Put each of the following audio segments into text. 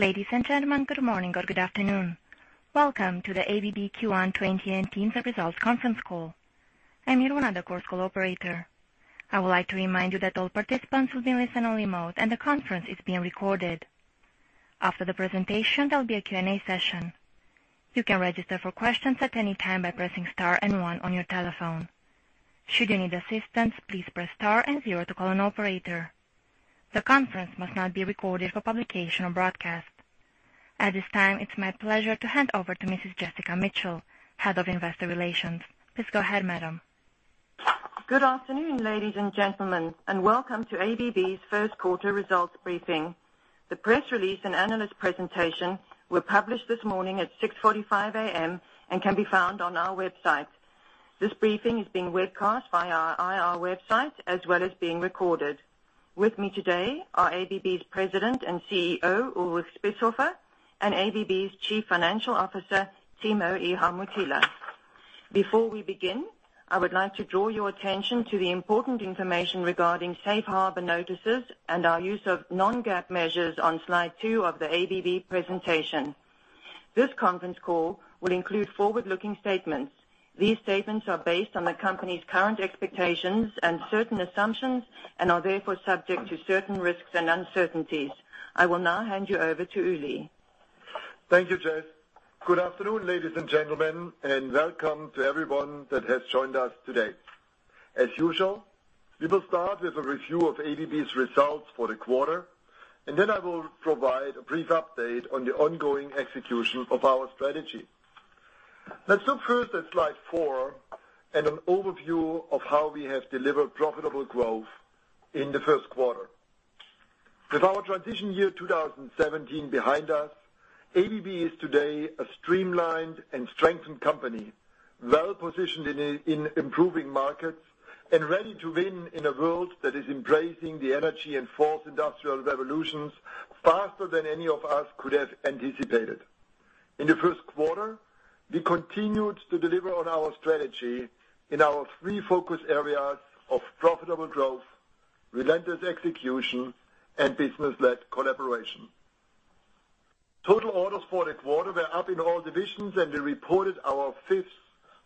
Ladies and gentlemen, good morning or good afternoon. Welcome to the ABB Q1 2018 results conference call. I'm Irina, the call operator. I would like to remind you that all participants will be listening only remote, and the conference is being recorded. After the presentation, there'll be a Q&A session. You can register for questions at any time by pressing star and one on your telephone. Should you need assistance, please press star and zero to call an operator. The conference must not be recorded for publication or broadcast. At this time, it's my pleasure to hand over to Mrs. Jessica Mitchell, Head of Investor Relations. Please go ahead, madam. Good afternoon, ladies and gentlemen, and welcome to ABB's first quarter results briefing. The press release and analyst presentation were published this morning at 6:45 A.M. and can be found on our website. This briefing is being webcast via our IR website, as well as being recorded. With me today are ABB's President and CEO, Ulrich Spiesshofer, and ABB's Chief Financial Officer, Timo Ihamuotila. Before we begin, I would like to draw your attention to the important information regarding safe harbor notices and our use of non-GAAP measures on slide two of the ABB presentation. This conference call will include forward-looking statements. These statements are based on the company's current expectations and certain assumptions and are therefore subject to certain risks and uncertainties. I will now hand you over to Uli. Thank you, Jess. Good afternoon, ladies and gentlemen, and welcome to everyone that has joined us today. As usual, we will start with a review of ABB's results for the quarter. Then I will provide a brief update on the ongoing execution of our strategy. Let's look first at slide four and an overview of how we have delivered profitable growth in the first quarter. With our transition year 2017 behind us, ABB is today a streamlined and strengthened company, well-positioned in improving markets and ready to win in a world that is embracing the energy and fourth industrial revolutions faster than any of us could have anticipated. In the first quarter, we continued to deliver on our strategy in our three focus areas of profitable growth, relentless execution, and business-led collaboration. Total orders for the quarter were up in all divisions. We reported our fifth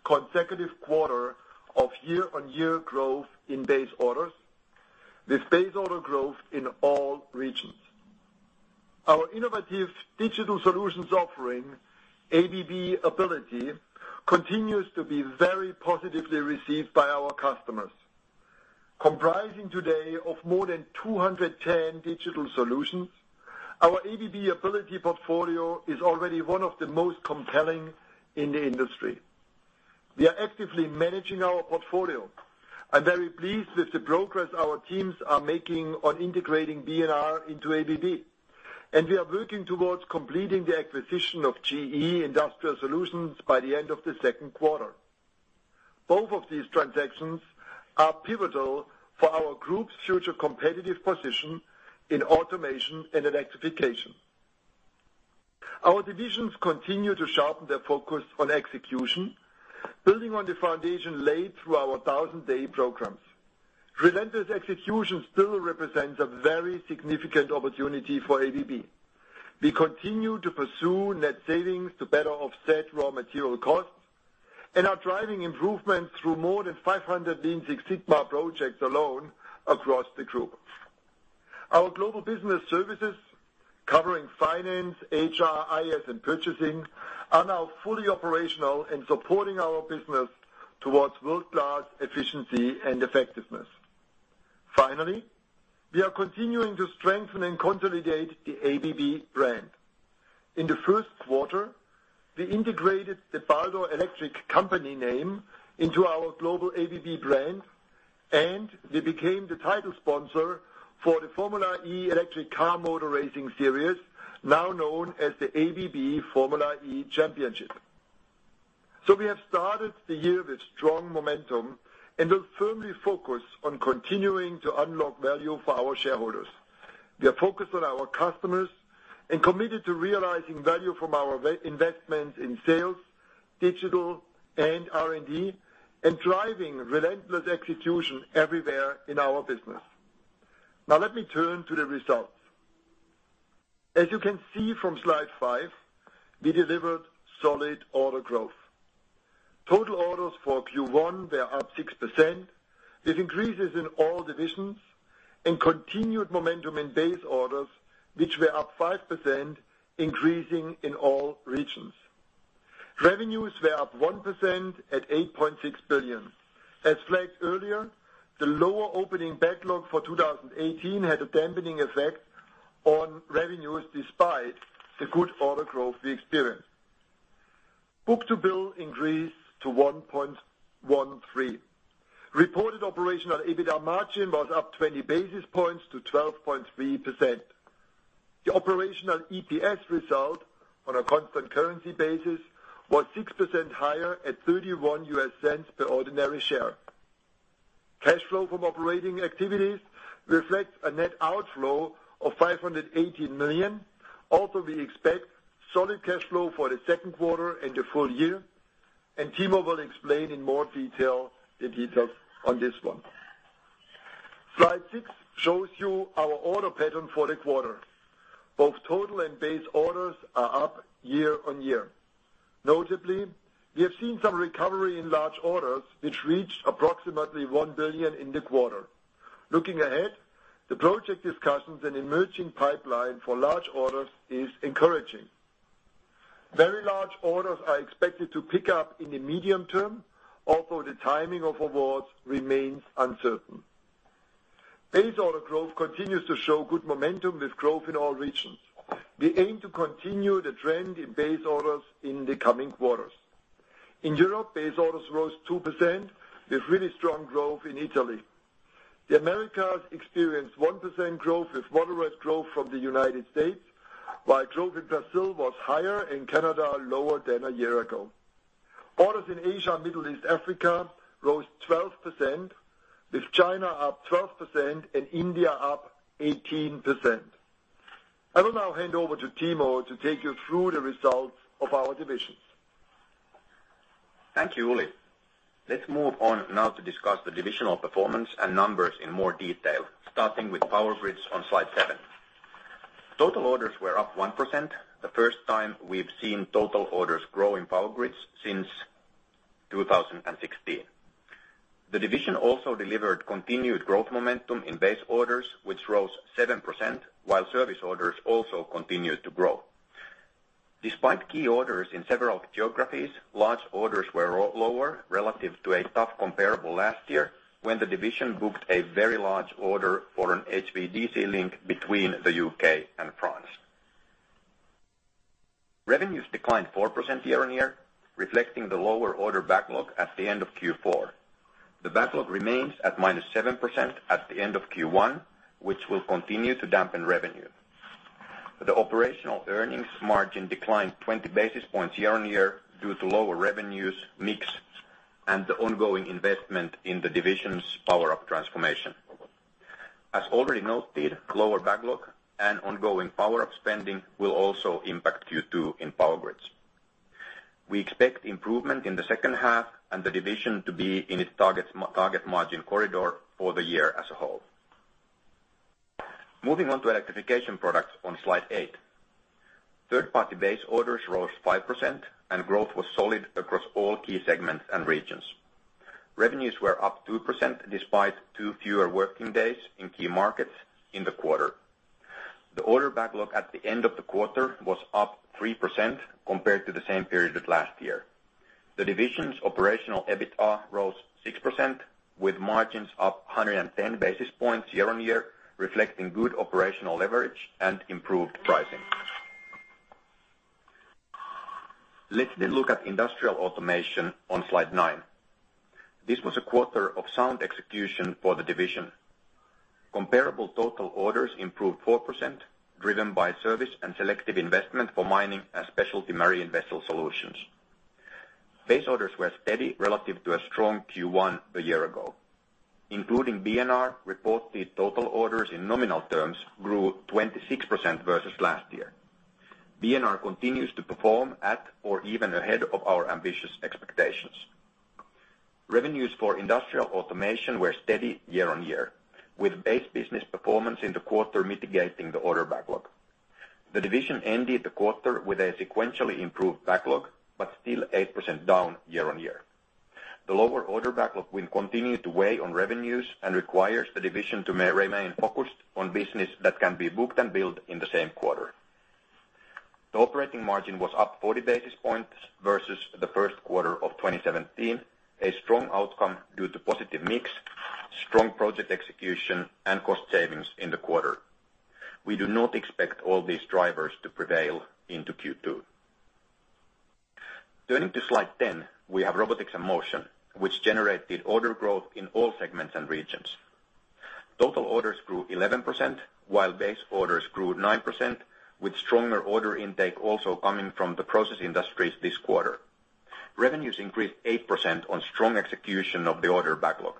consecutive quarter of year-on-year growth in base orders with base order growth in all regions. Our innovative digital solutions offering, ABB Ability, continues to be very positively received by our customers. Comprising today of more than 210 digital solutions, our ABB Ability portfolio is already one of the most compelling in the industry. We are actively managing our portfolio. I'm very pleased with the progress our teams are making on integrating B&R into ABB. We are working towards completing the acquisition of GE Industrial Solutions by the end of the second quarter. Both of these transactions are pivotal for our group's future competitive position in automation and electrification. Our divisions continue to sharpen their focus on execution, building on the foundation laid through our thousand-day programs. Relentless execution still represents a very significant opportunity for ABB. We continue to pursue net savings to better offset raw material costs and are driving improvements through more than 500 Lean Six Sigma projects alone across the group. Our global business services, covering finance, HR, IS, and purchasing, are now fully operational and supporting our business towards world-class efficiency and effectiveness. Finally, we are continuing to strengthen and consolidate the ABB brand. In the first quarter, we integrated the Baldor Electric Company name into our global ABB brand, and we became the title sponsor for the Formula E electric car motor racing series, now known as the ABB Formula E Championship. We have started the year with strong momentum and will firmly focus on continuing to unlock value for our shareholders. We are focused on our customers and committed to realizing value from our investment in sales, digital, and R&D, and driving relentless execution everywhere in our business. Now let me turn to the results. As you can see from slide five, we delivered solid order growth. Total orders for Q1 were up 6% with increases in all divisions and continued momentum in base orders, which were up 5%, increasing in all regions. Revenues were up 1% at $8.6 billion. As flagged earlier, the lower opening backlog for 2018 had a dampening effect on revenues despite the good order growth we experienced. Book-to-bill increased to 1.13. Reported operational EBITA margin was up 20 basis points to 12.3%. The operational EPS result on a constant currency basis was 6% higher at $0.31 per ordinary share. Cash flow from operating activities reflects a net outflow of $518 million. We expect solid cash flow for the second quarter and the full year, Timo will explain in more detail the details on this one. Slide six shows you our order pattern for the quarter. Both total and base orders are up year-on-year. Notably, we have seen some recovery in large orders, which reached approximately $1 billion in the quarter. Looking ahead, the project discussions and emerging pipeline for large orders is encouraging. Very large orders are expected to pick up in the medium term, although the timing of awards remains uncertain. Base order growth continues to show good momentum with growth in all regions. We aim to continue the trend in base orders in the coming quarters. In Europe, base orders rose 2% with really strong growth in Italy. The Americas experienced 1% growth with moderate growth from the United States, while growth in Brazil was higher, in Canada, lower than a year ago. Orders in Asia, Middle East and Africa rose 12%, with China up 12% and India up 18%. I will now hand over to Timo to take you through the results of our divisions. Thank you, Uli. Let's move on now to discuss the divisional performance and numbers in more detail, starting with Power Grids on slide seven. Total orders were up 1%, the first time we've seen total orders grow in Power Grids since 2016. The division also delivered continued growth momentum in base orders, which rose 7%, while service orders also continued to grow. Despite key orders in several geographies, large orders were all lower relative to a tough comparable last year when the division booked a very large order for an HVDC link between the U.K. and France. Revenues declined 4% year-on-year, reflecting the lower order backlog at the end of Q4. The backlog remains at -7% at the end of Q1, which will continue to dampen revenue. The operational earnings margin declined 20 basis points year-on-year due to lower revenues, mix, and the ongoing investment in the division's Power Up transformation. As already noted, lower backlog and ongoing Power Up spending will also impact Q2 in Power Grids. We expect improvement in the second half and the division to be in its target margin corridor for the year as a whole. Moving on to Electrification Products on slide eight. Third-party base orders rose 5%, and growth was solid across all key segments and regions. Revenues were up 2%, despite two fewer working days in key markets in the quarter. The order backlog at the end of the quarter was up 3% compared to the same period last year. The division's operational EBITA rose 6%, with margins up 110 basis points year-on-year, reflecting good operational leverage and improved pricing. Let's look at Industrial Automation on slide nine. This was a quarter of sound execution for the division. Comparable total orders improved 4%, driven by service and selective investment for mining and specialty marine vessel solutions. Base orders were steady relative to a strong Q1 a year ago. Including B&R, reported total orders in nominal terms grew 26% versus last year. B&R continues to perform at or even ahead of our ambitious expectations. Revenues for Industrial Automation were steady year-on-year, with base business performance in the quarter mitigating the order backlog. The division ended the quarter with a sequentially improved backlog, but still 8% down year-on-year. The lower order backlog will continue to weigh on revenues and requires the division to remain focused on business that can be booked and built in the same quarter. The operating margin was up 40 basis points versus the first quarter of 2017, a strong outcome due to positive mix, strong project execution, and cost savings in the quarter. We do not expect all these drivers to prevail into Q2. Turning to slide 10, we have Robotics and Motion, which generated order growth in all segments and regions. Total orders grew 11%, while base orders grew 9%, with stronger order intake also coming from the process industries this quarter. Revenues increased 8% on strong execution of the order backlog.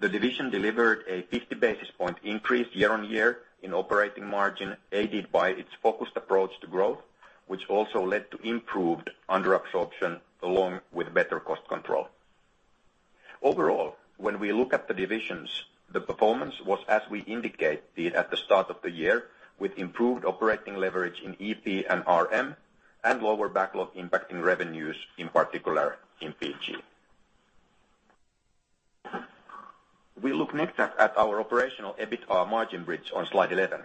The division delivered a 50 basis point increase year-on-year in operating margin, aided by its focused approach to growth, which also led to improved under absorption along with better cost control. Overall, when we look at the divisions, the performance was as we indicated at the start of the year, with improved operating leverage in EP and RM, and lower backlog impacting revenues, in particular in PG. We look next at our operational EBITA margin bridge on slide 11.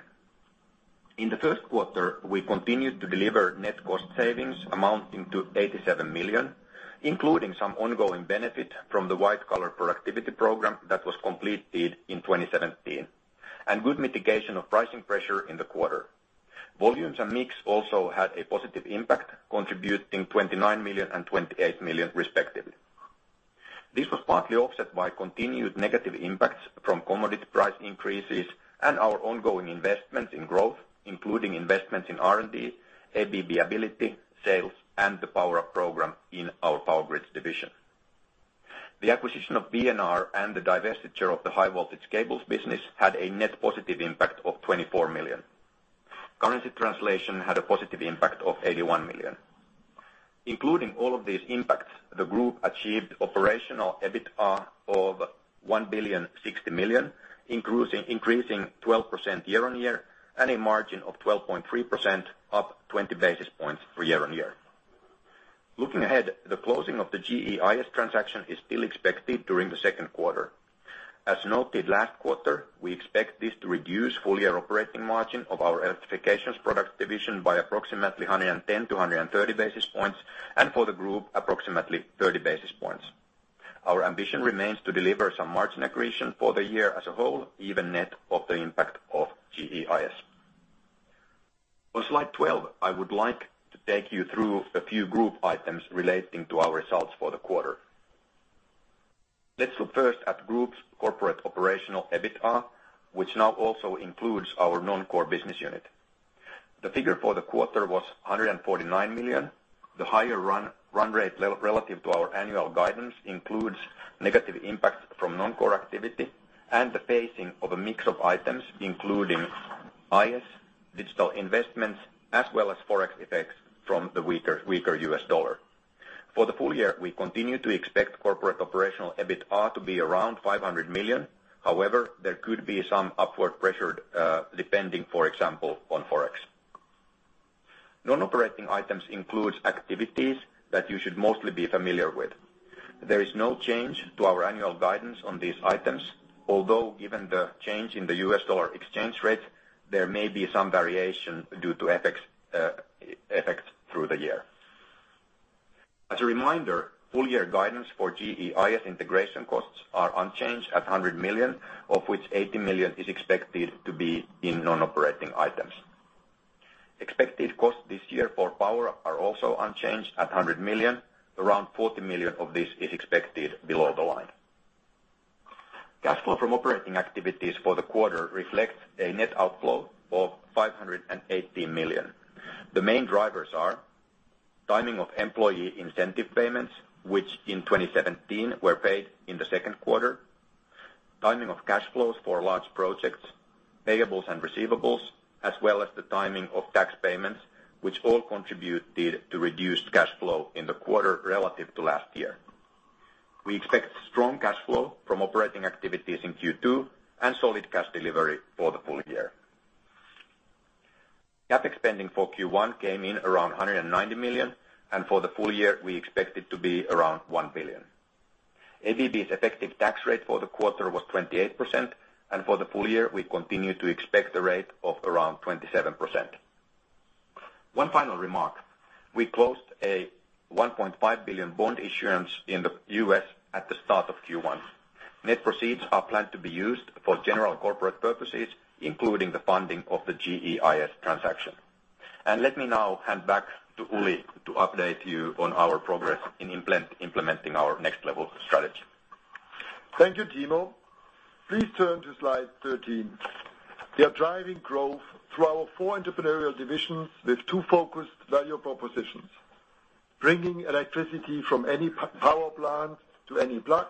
In the first quarter, we continued to deliver net cost savings amounting to $87 million, including some ongoing benefit from the white-collar productivity program that was completed in 2017, and good mitigation of pricing pressure in the quarter. Volumes and mix also had a positive impact, contributing $29 million and $28 million respectively. This was partly offset by continued negative impacts from commodity price increases and our ongoing investments in growth, including investments in R&D, ABB Ability, sales, and the Power Up program in our Power Grids division. The acquisition of B&R and the divestiture of the high voltage cables business had a net positive impact of $24 million. Currency translation had a positive impact of $81 million. Including all of these impacts, the group achieved operational EBITA of $1,060 million, increasing 12% year-on-year, and a margin of 12.3% up 20 basis points year-on-year. Looking ahead, the closing of the GE IS transaction is still expected during the second quarter. As noted last quarter, we expect this to reduce full-year operating margin of our Electrification Products division by approximately 110 to 130 basis points, and for the group, approximately 30 basis points. Our ambition remains to deliver some margin accretion for the year as a whole, even net of the impact of GE IS. On slide 12, I would like to take you through a few group items relating to our results for the quarter. Let's look first at group's corporate operational EBITA, which now also includes our non-core business unit. The figure for the quarter was $149 million. The higher run rate relative to our annual guidance includes negative impacts from non-core activity and the pacing of a mix of items, including IS, digital investments, as well as Forex effects from the weaker U.S. dollar. For the full year, we continue to expect corporate operational EBITA to be around $500 million. However, there could be some upward pressure, depending, for example, on Forex. Non-operating items includes activities that you should mostly be familiar with. There is no change to our annual guidance on these items, although given the change in the U.S. dollar exchange rate, there may be some variation due to effects through the year. As a reminder, full-year guidance for GE IS integration costs are unchanged at $100 million, of which $80 million is expected to be in non-operating items. Expected costs this year for power are also unchanged at $100 million. Around $40 million of this is expected below the line. Cash flow from operating activities for the quarter reflects a net outflow of $518 million. The main drivers are timing of employee incentive payments, which in 2017 were paid in the second quarter, timing of cash flows for large projects, payables and receivables, as well as the timing of tax payments, which all contributed to reduced cash flow in the quarter relative to last year. We expect strong cash flow from operating activities in Q2 and solid cash delivery for the full year. CapEx spending for Q1 came in around $190 million, and for the full year, we expect it to be around $1 billion. ABB's effective tax rate for the quarter was 28%, and for the full year, we continue to expect a rate of around 27%. One final remark. We closed a $1.5 billion bond issuance in the U.S. at the start of Q1. Net proceeds are planned to be used for general corporate purposes, including the funding of the GEIS transaction. Let me now hand back to Uli to update you on our progress in implementing our Next Level strategy. Thank you, Timo. Please turn to slide 13. We are driving growth through our four entrepreneurial divisions with two focused value propositions, bringing electricity from any power plant to any plug,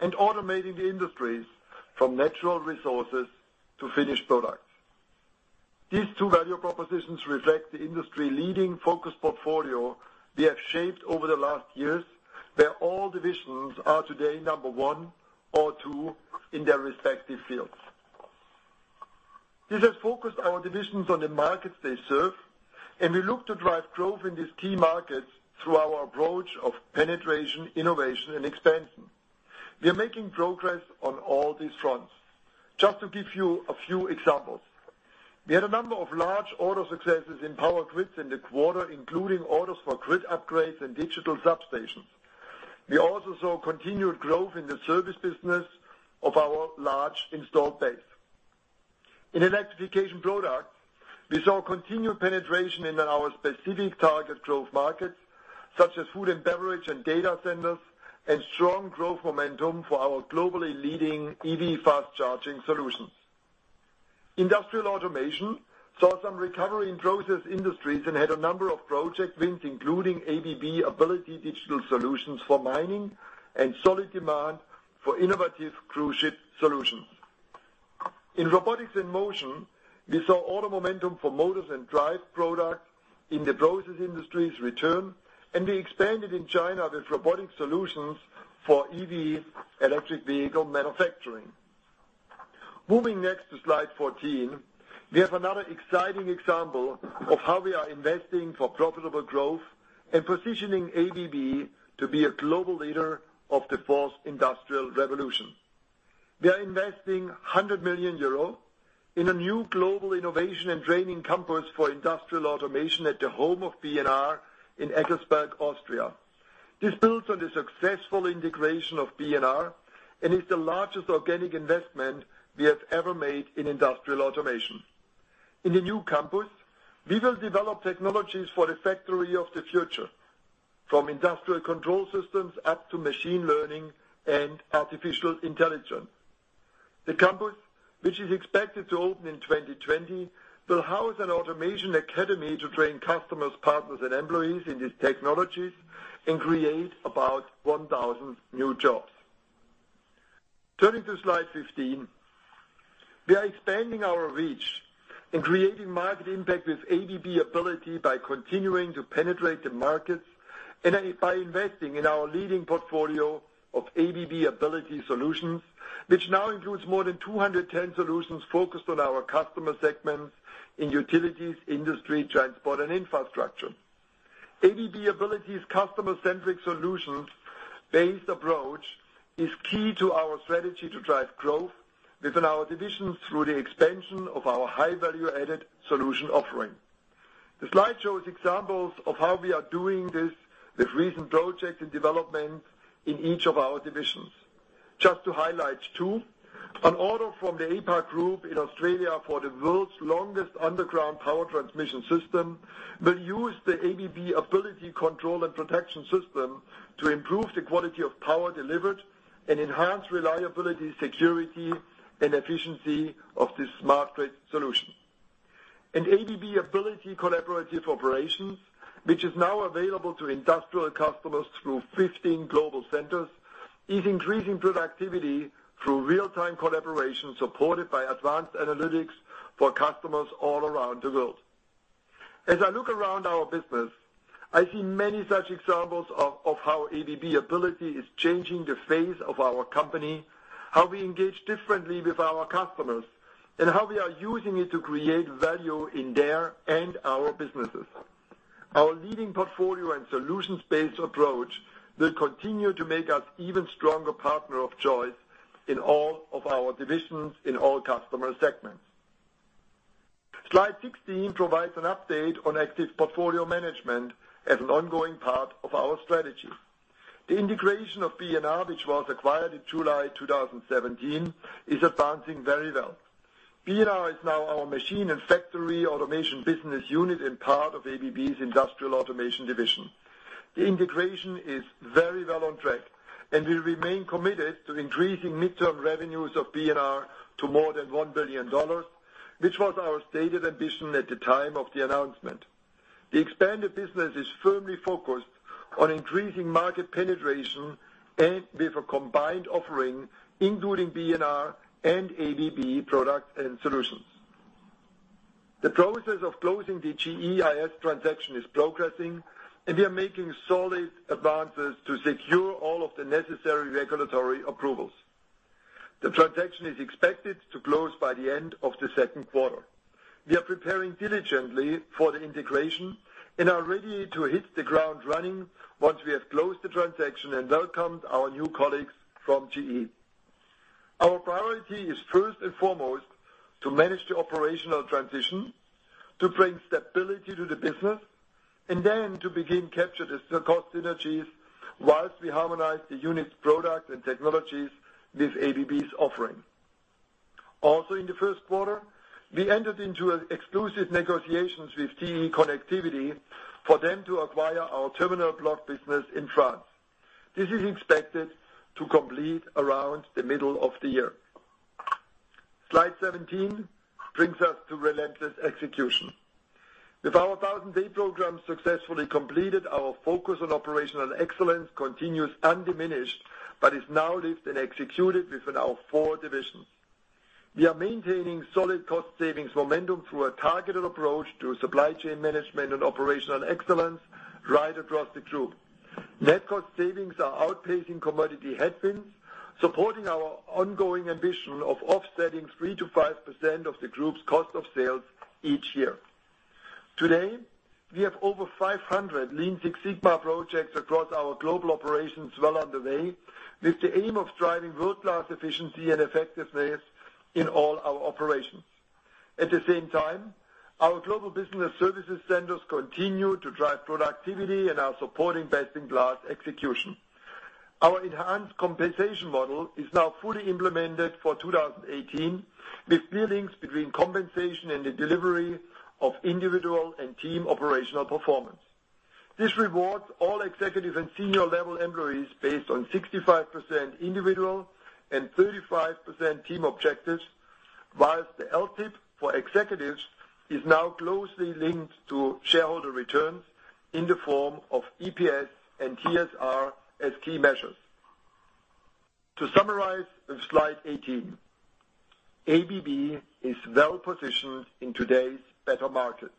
and automating the industries from natural resources to finished product. These two value propositions reflect the industry-leading focus portfolio we have shaped over the last years, where all divisions are today, number one or two in their respective fields. This has focused our divisions on the markets they serve, and we look to drive growth in these key markets through our approach of penetration, innovation, and expansion. We are making progress on all these fronts. Just to give you a few examples. We had a number of large order successes in Power Grids in the quarter, including orders for grid upgrades and digital substations. We also saw continued growth in the service business of our large installed base. In Electrification Products, we saw continued penetration in our specific target growth markets, such as food and beverage and data centers, and strong growth momentum for our globally leading EV fast charging solutions. Industrial Automation saw some recovery in process industries and had a number of project wins, including ABB Ability Digital solutions for mining and solid demand for innovative cruise ship solutions. In Robotics and Motion, we saw order momentum for motors and drive products in the process industries return, and we expanded in China with robotic solutions for EV, electric vehicle manufacturing. Moving next to slide 14. We have another exciting example of how we are investing for profitable growth and positioning ABB to be a global leader of the fourth industrial revolution. We are investing €100 million in a new global innovation and training campus for Industrial Automation at the home of B&R in Eggelsberg, Austria. This builds on the successful integration of B&R and is the largest organic investment we have ever made in Industrial Automation. In the new campus, we will develop technologies for the factory of the future, from industrial control systems up to machine learning and artificial intelligence. The campus, which is expected to open in 2020, will house an automation academy to train customers, partners, and employees in these technologies and create about 1,000 new jobs. Turning to slide 15. We are expanding our reach and creating market impact with ABB Ability by continuing to penetrate the markets and by investing in our leading portfolio of ABB Ability solutions, which now includes more than 210 solutions focused on our customer segments in utilities, industry, transport, and infrastructure. ABB Ability's customer-centric solutions based approach is key to our strategy to drive growth within our divisions through the expansion of our high value-added solution offering. The slide shows examples of how we are doing this with recent projects and development in each of our divisions. Just to highlight two, an order from the APA Group in Australia for the world's longest underground power transmission system will use the ABB Ability Control and Protection system to improve the quality of power delivered and enhance reliability, security, and efficiency of this smart grid solution. An ABB Ability Collaborative Operations, which is now available to industrial customers through 15 global centers, is increasing productivity through real-time collaboration supported by advanced analytics for customers all around the world. As I look around our business, I see many such examples of how ABB Ability is changing the face of our company, how we engage differently with our customers, and how we are using it to create value in their and our businesses. Our leading portfolio and solutions-based approach will continue to make us an even stronger partner of choice in all of our divisions in all customer segments. Slide 16 provides an update on active portfolio management as an ongoing part of our strategy. The integration of B&R, which was acquired in July 2017, is advancing very well. B&R is now our machine and factory automation business unit and part of ABB's Industrial Automation division. The integration is very well on track and we remain committed to increasing midterm revenues of B&R to more than $1 billion, which was our stated ambition at the time of the announcement. The expanded business is firmly focused on increasing market penetration and with a combined offering, including B&R and ABB products and solutions. The process of closing the GEIS transaction is progressing, and we are making solid advances to secure all of the necessary regulatory approvals. The transaction is expected to close by the end of the second quarter. We are preparing diligently for the integration and are ready to hit the ground running once we have closed the transaction and welcomed our new colleagues from GE. Our priority is first and foremost to manage the operational transition, to bring stability to the business, and then to begin capture the cost synergies whilst we harmonize the unit's product and technologies with ABB's offering. Also, in the first quarter, we entered into exclusive negotiations with TE Connectivity for them to acquire our terminal block business in France. This is expected to complete around the middle of the year. Slide 17 brings us to relentless execution. With our 1,000-day program successfully completed, our focus on operational excellence continues undiminished but is now lived and executed within our four divisions. We are maintaining solid cost savings momentum through a targeted approach to supply chain management and operational excellence right across the group. Net cost savings are outpacing commodity headwinds, supporting our ongoing ambition of offsetting 3%-5% of the group's cost of sales each year. Today, we have over 500 Lean Six Sigma projects across our global operations well underway with the aim of driving world-class efficiency and effectiveness in all our operations. At the same time, our global business services centers continue to drive productivity and are supporting best-in-class execution. Our enhanced compensation model is now fully implemented for 2018 with clear links between compensation and the delivery of individual and team operational performance. This rewards all executive and senior-level employees based on 65% individual and 35% team objectives, whilst the LTIP for executives is now closely linked to shareholder returns in the form of EPS and TSR as key measures. To summarize with slide 18, ABB is well-positioned in today's better markets.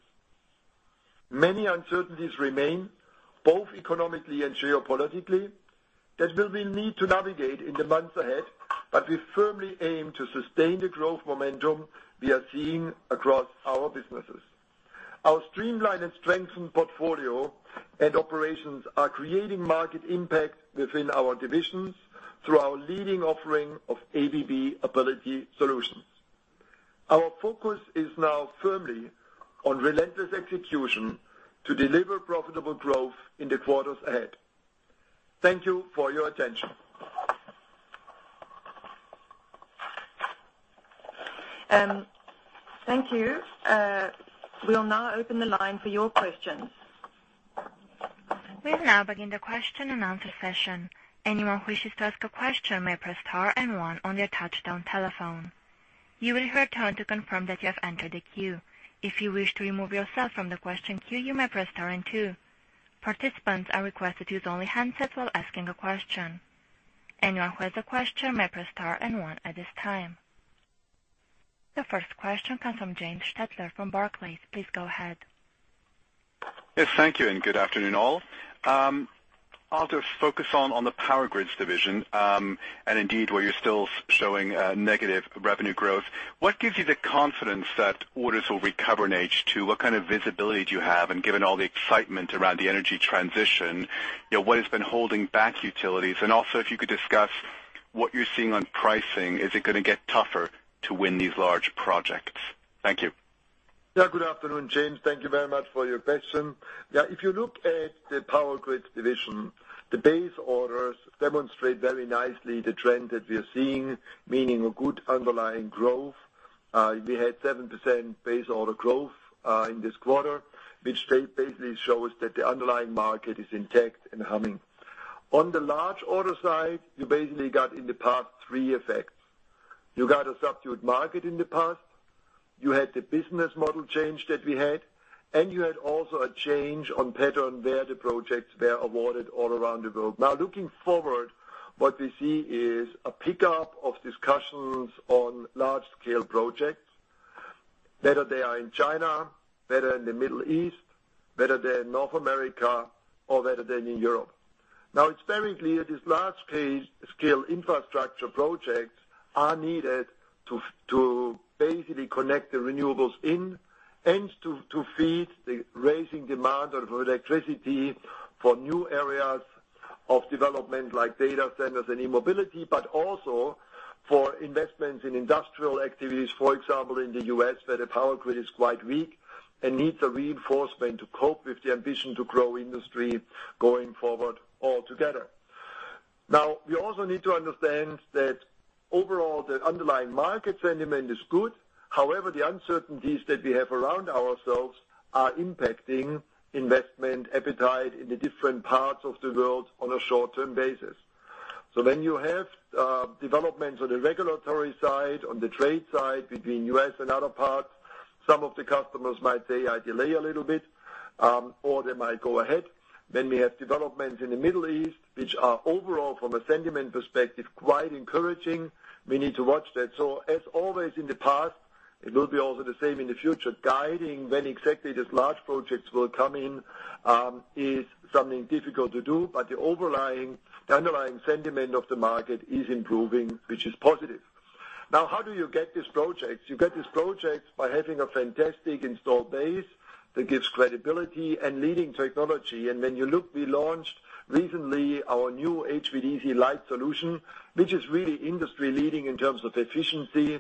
Many uncertainties remain, both economically and geopolitically, that we will need to navigate in the months ahead. We firmly aim to sustain the growth momentum we are seeing across our businesses. Our streamlined and strengthened portfolio and operations are creating market impact within our divisions through our leading offering of ABB Ability solutions. Our focus is now firmly on relentless execution to deliver profitable growth in the quarters ahead. Thank you for your attention. Thank you. We will now open the line for your questions. We will now begin the question and answer session. Anyone who wishes to ask a question may press star and one on their touchtone telephone. You will hear a tone to confirm that you have entered the queue. If you wish to remove yourself from the question queue, you may press star and two. Participants are requested to use only handsets while asking a question. Anyone who has a question may press star and one at this time. The first question comes from James Stettler from Barclays. Please go ahead. Yes, thank you. Good afternoon all. I'll just focus on the Power Grids division, indeed, where you're still showing negative revenue growth. What gives you the confidence that orders will recover in H2? What kind of visibility do you have? Given all the excitement around the energy transition, what has been holding back utilities? Also, if you could discuss what you're seeing on pricing. Is it going to get tougher to win these large projects? Thank you. Good afternoon, James. Thank you very much for your question. If you look at the Power Grids division, the base orders demonstrate very nicely the trend that we are seeing, meaning a good underlying growth. We had 7% base order growth in this quarter, which basically shows that the underlying market is intact and humming. On the large order side, you basically got into part three effects. You got a subdued market in the past, you had the business model change that we had, and you had also a change on pattern where the projects were awarded all around the world. Looking forward, what we see is a pickup of discussions on large-scale projects, whether they are in China, whether in the Middle East, whether they're in North America or whether they're in Europe. It's very clear these large-scale infrastructure projects are needed to basically connect the renewables in and to feed the raising demand of electricity for new areas of development, like data centers and e-mobility, but also for investments in industrial activities. For example, in the U.S., where the power grid is quite weak and needs a reinforcement to cope with the ambition to grow industry going forward altogether. We also need to understand that overall, the underlying market sentiment is good. However, the uncertainties that we have around ourselves are impacting investment appetite in the different parts of the world on a short-term basis. When you have developments on the regulatory side, on the trade side between U.S. and other parts, some of the customers might say, "I delay a little bit," or they might go ahead. We have developments in the Middle East, which are overall, from a sentiment perspective, quite encouraging. We need to watch that. As always in the past, it will be also the same in the future. Guiding when exactly these large projects will come in is something difficult to do, but the underlying sentiment of the market is improving, which is positive. How do you get these projects? You get these projects by having a fantastic install base that gives credibility and leading technology. When you look, we launched recently our new HVDC Light solution, which is really industry-leading in terms of efficiency.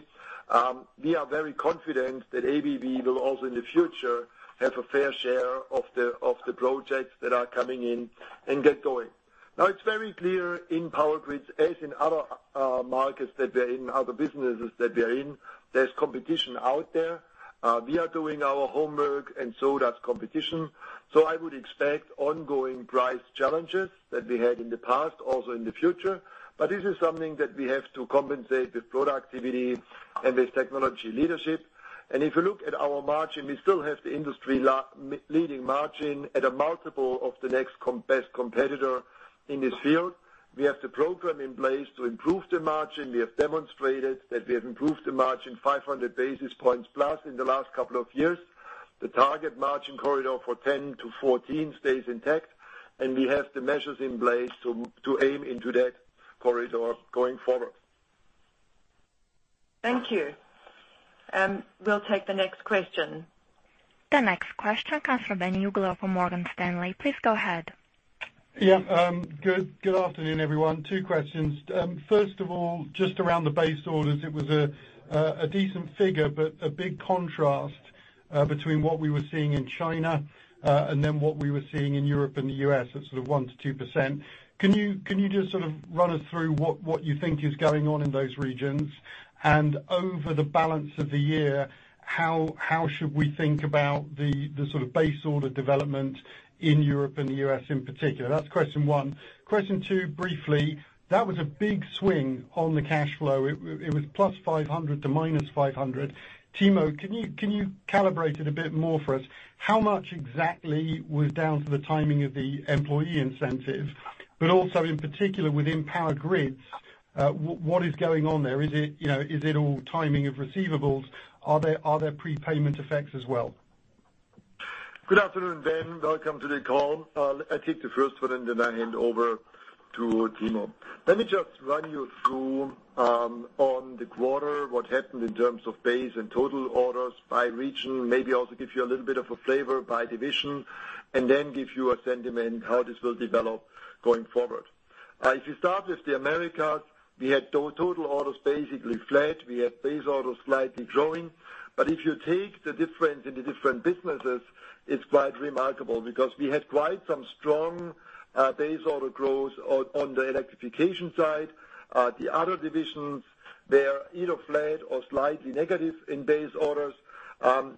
We are very confident that ABB will also in the future, have a fair share of the projects that are coming in and get going. It's very clear in Power Grids, as in other markets that they're in, other businesses that they're in, there's competition out there. We are doing our homework and so does competition. I would expect ongoing price challenges that we had in the past, also in the future. This is something that we have to compensate with productivity and with technology leadership. If you look at our margin, we still have the industry-leading margin at a multiple of the next best competitor in this field. We have the program in place to improve the margin. We have demonstrated that we have improved the margin 500 basis points plus in the last couple of years. The target margin corridor for 10-14 stays intact, and we have the measures in place to aim into that corridor going forward. Thank you. We'll take the next question. The next question comes from Ben Uglow from Morgan Stanley. Please go ahead. Yeah. Good afternoon, everyone. Two questions. First of all, just around the base orders, it was a decent figure, but a big contrast between what we were seeing in China and then what we were seeing in Europe and the U.S. at sort of 1%-2%. Can you just sort of run us through what you think is going on in those regions? Over the balance of the year, how should we think about the sort of base order development in Europe and the U.S. in particular? That's question one. Question two, briefly. That was a big swing on the cash flow. It was plus $500 to minus $500. Timo, can you calibrate it a bit more for us? How much exactly was down to the timing of the employee incentive, but also in particular within Power Grids, what is going on there? Is it all timing of receivables? Are there prepayment effects as well? Good afternoon, Ben. Welcome to the call. I will take the first one, then I hand over to Timo. Let me just run you through, on the quarter, what happened in terms of base and total orders by region, maybe also give you a little bit of a flavor by division, and then give you a sentiment how this will develop going forward. If you start with the Americas, we had total orders basically flat. We had base orders slightly growing. If you take the difference in the different businesses, it is quite remarkable because we had quite some strong base order growth on the Electrification side. The other divisions, they are either flat or slightly negative in base orders,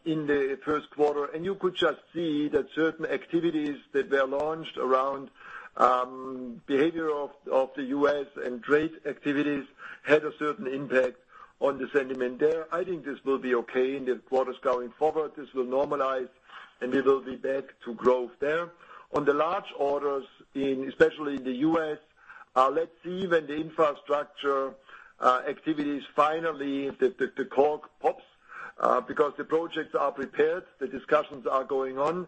in the first quarter. You could just see that certain activities that were launched around behavior of the U.S. and trade activities had a certain impact on the sentiment there. I think this will be okay in the quarters going forward. This will normalize, and we will be back to growth there. On the large orders, especially in the U.S., let's see when the infrastructure activities, finally, the cork pops. The projects are prepared, the discussions are going on,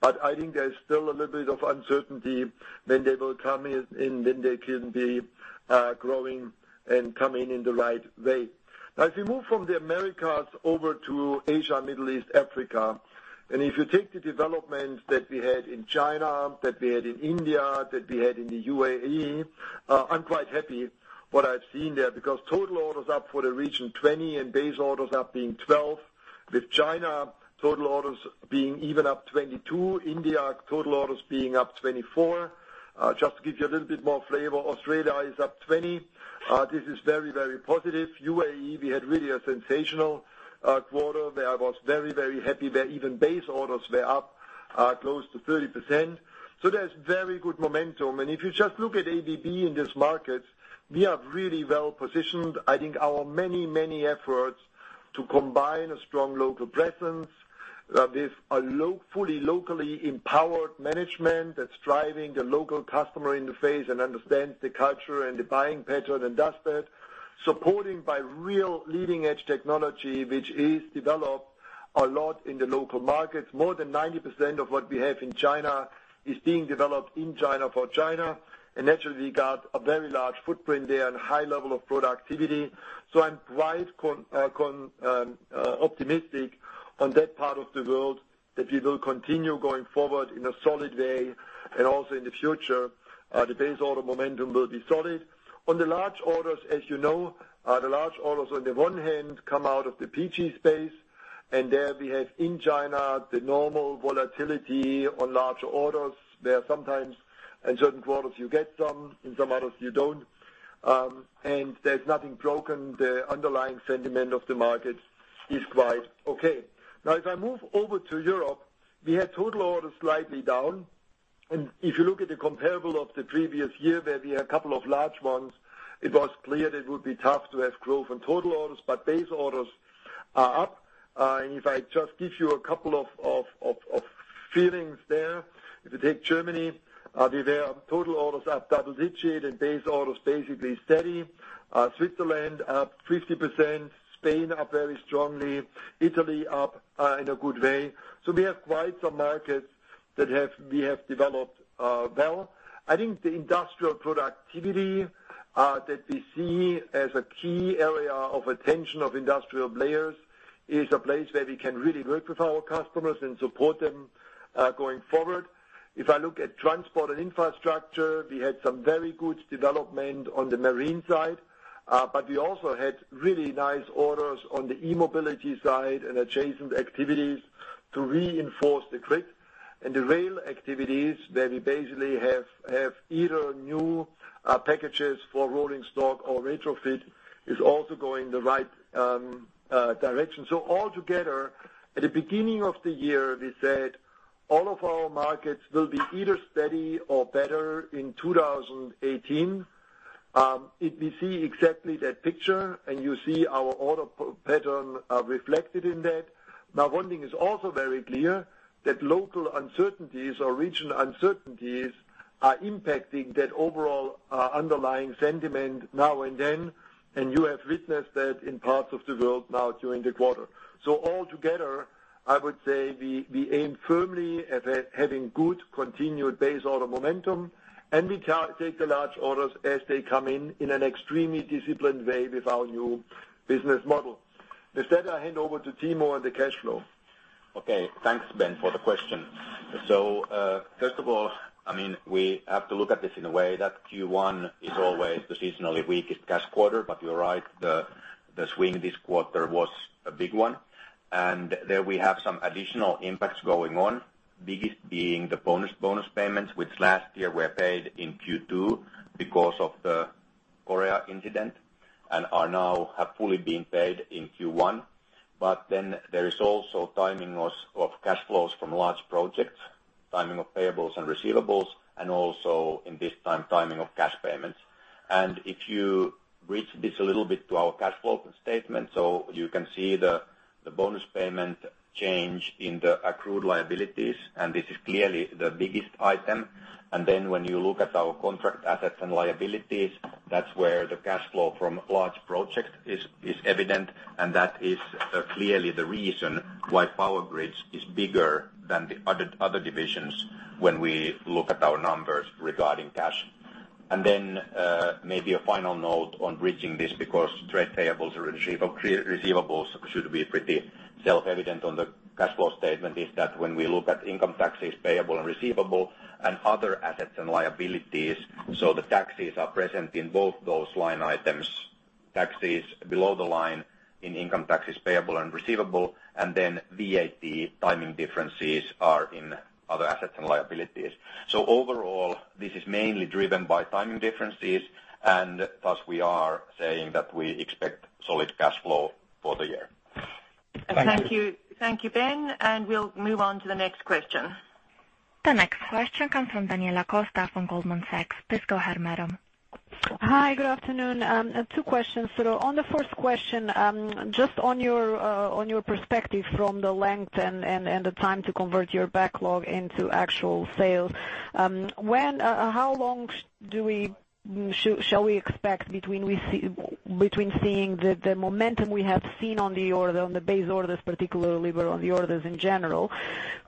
but I think there is still a little bit of uncertainty when they will come in, when they can be growing and coming in the right way. If we move from the Americas over to Asia, Middle East, Africa, and if you take the developments that we had in China, that we had in India, that we had in the UAE, I am quite happy what I have seen there. Total orders up for the region 20% and base orders up being 12%. With China, total orders being even up 22%. India, total orders being up 24%. Just to give you a little bit more flavor, Australia is up 20%. This is very positive. UAE, we had really a sensational quarter there. I was very happy there. Even base orders were up close to 30%. There is very good momentum. If you just look at ABB in this market, we are really well-positioned. I think our many efforts to combine a strong local presence with a fully locally empowered management that is driving the local customer interface and understands the culture and the buying pattern and does that, supporting by real leading-edge technology, which is developed a lot in the local markets. More than 90% of what we have in China is being developed in China for China. Naturally, we got a very large footprint there and high level of productivity. I am quite optimistic on that part of the world that we will continue going forward in a solid way, and also in the future, the base order momentum will be solid. On the large orders, as you know, the large orders on the one hand come out of the PG space. There we have in China, the normal volatility on large orders. There are some times in certain quarters you get some, in some others you do not. There is nothing broken. The underlying sentiment of the market is quite okay. If I move over to Europe, we had total orders slightly down. If you look at the comparable of the previous year, where we had a couple of large ones, it was clear that it would be tough to have growth on total orders. Base orders are up. If I just give you a couple of feelings there. If you take Germany, their total orders are double-digit and base orders basically steady. Switzerland up 50%. Spain up very strongly. Italy up in a good way. We have quite some markets that we have developed well. I think the industrial productivity that we see as a key area of attention of industrial players is a place where we can really work with our customers and support them going forward. If I look at transport and infrastructure, we had some very good development on the marine side. We also had really nice orders on the e-mobility side and adjacent activities to reinforce the grid. The rail activities where we basically have either new packages for rolling stock or retrofit is also going the right direction. Altogether, at the beginning of the year, we said all of our markets will be either steady or better in 2018. If we see exactly that picture, and you see our order pattern reflected in that. One thing is also very clear, that local uncertainties or regional uncertainties are impacting that overall underlying sentiment now and then, and you have witnessed that in parts of the world now during the quarter. Altogether, I would say we aim firmly at having good continued base order momentum, and we take the large orders as they come in an extremely disciplined way with our new business model. With that, I hand over to Timo on the cash flow. Okay. Thanks, Ben, for the question. First of all, we have to look at this in a way that Q1 is always the seasonally weakest cash quarter. You're right, the swing this quarter was a big one. There we have some additional impacts going on. Biggest being the bonus payments, which last year were paid in Q2 because of the Korea incident, and now have fully been paid in Q1. There is also timing of cash flows from large projects, timing of payables and receivables, and also in this time, timing of cash payments. If you bridge this a little bit to our cash flow statement, you can see the bonus payment change in the accrued liabilities, and this is clearly the biggest item. When you look at our contract assets and liabilities, that's where the cash flow from large project is evident, and that is clearly the reason why Power Grids is bigger than the other divisions when we look at our numbers regarding cash. Maybe a final note on bridging this because trade payables or receivables should be pretty self-evident on the cash flow statement, is that when we look at income taxes payable and receivable and other assets and liabilities, the taxes are present in both those line items. Taxes below the line in income taxes payable and receivable, and then VAT timing differences are in other assets and liabilities. Overall, this is mainly driven by timing differences, and thus we are saying that we expect solid cash flow for the year. Thank you. Thank you, Ben. We'll move on to the next question. The next question comes from Daniela Costa from Goldman Sachs. Please go ahead, madam. Hi, good afternoon. Two questions. On the first question, just on your perspective from the length and the time to convert your backlog into actual sales. How long shall we expect between seeing the momentum we have seen on the order, on the base orders particularly, but on the orders in general,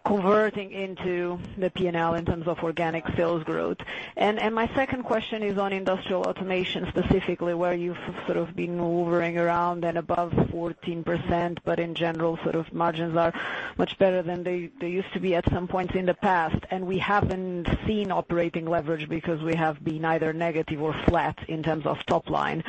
converting into the P&L in terms of organic sales growth? My second question is on Industrial Automation specifically, where you've sort of been hovering around and above 14%, but in general, margins are much better than they used to be at some point in the past, and we haven't seen operating leverage because we have been either negative or flat in terms of top line.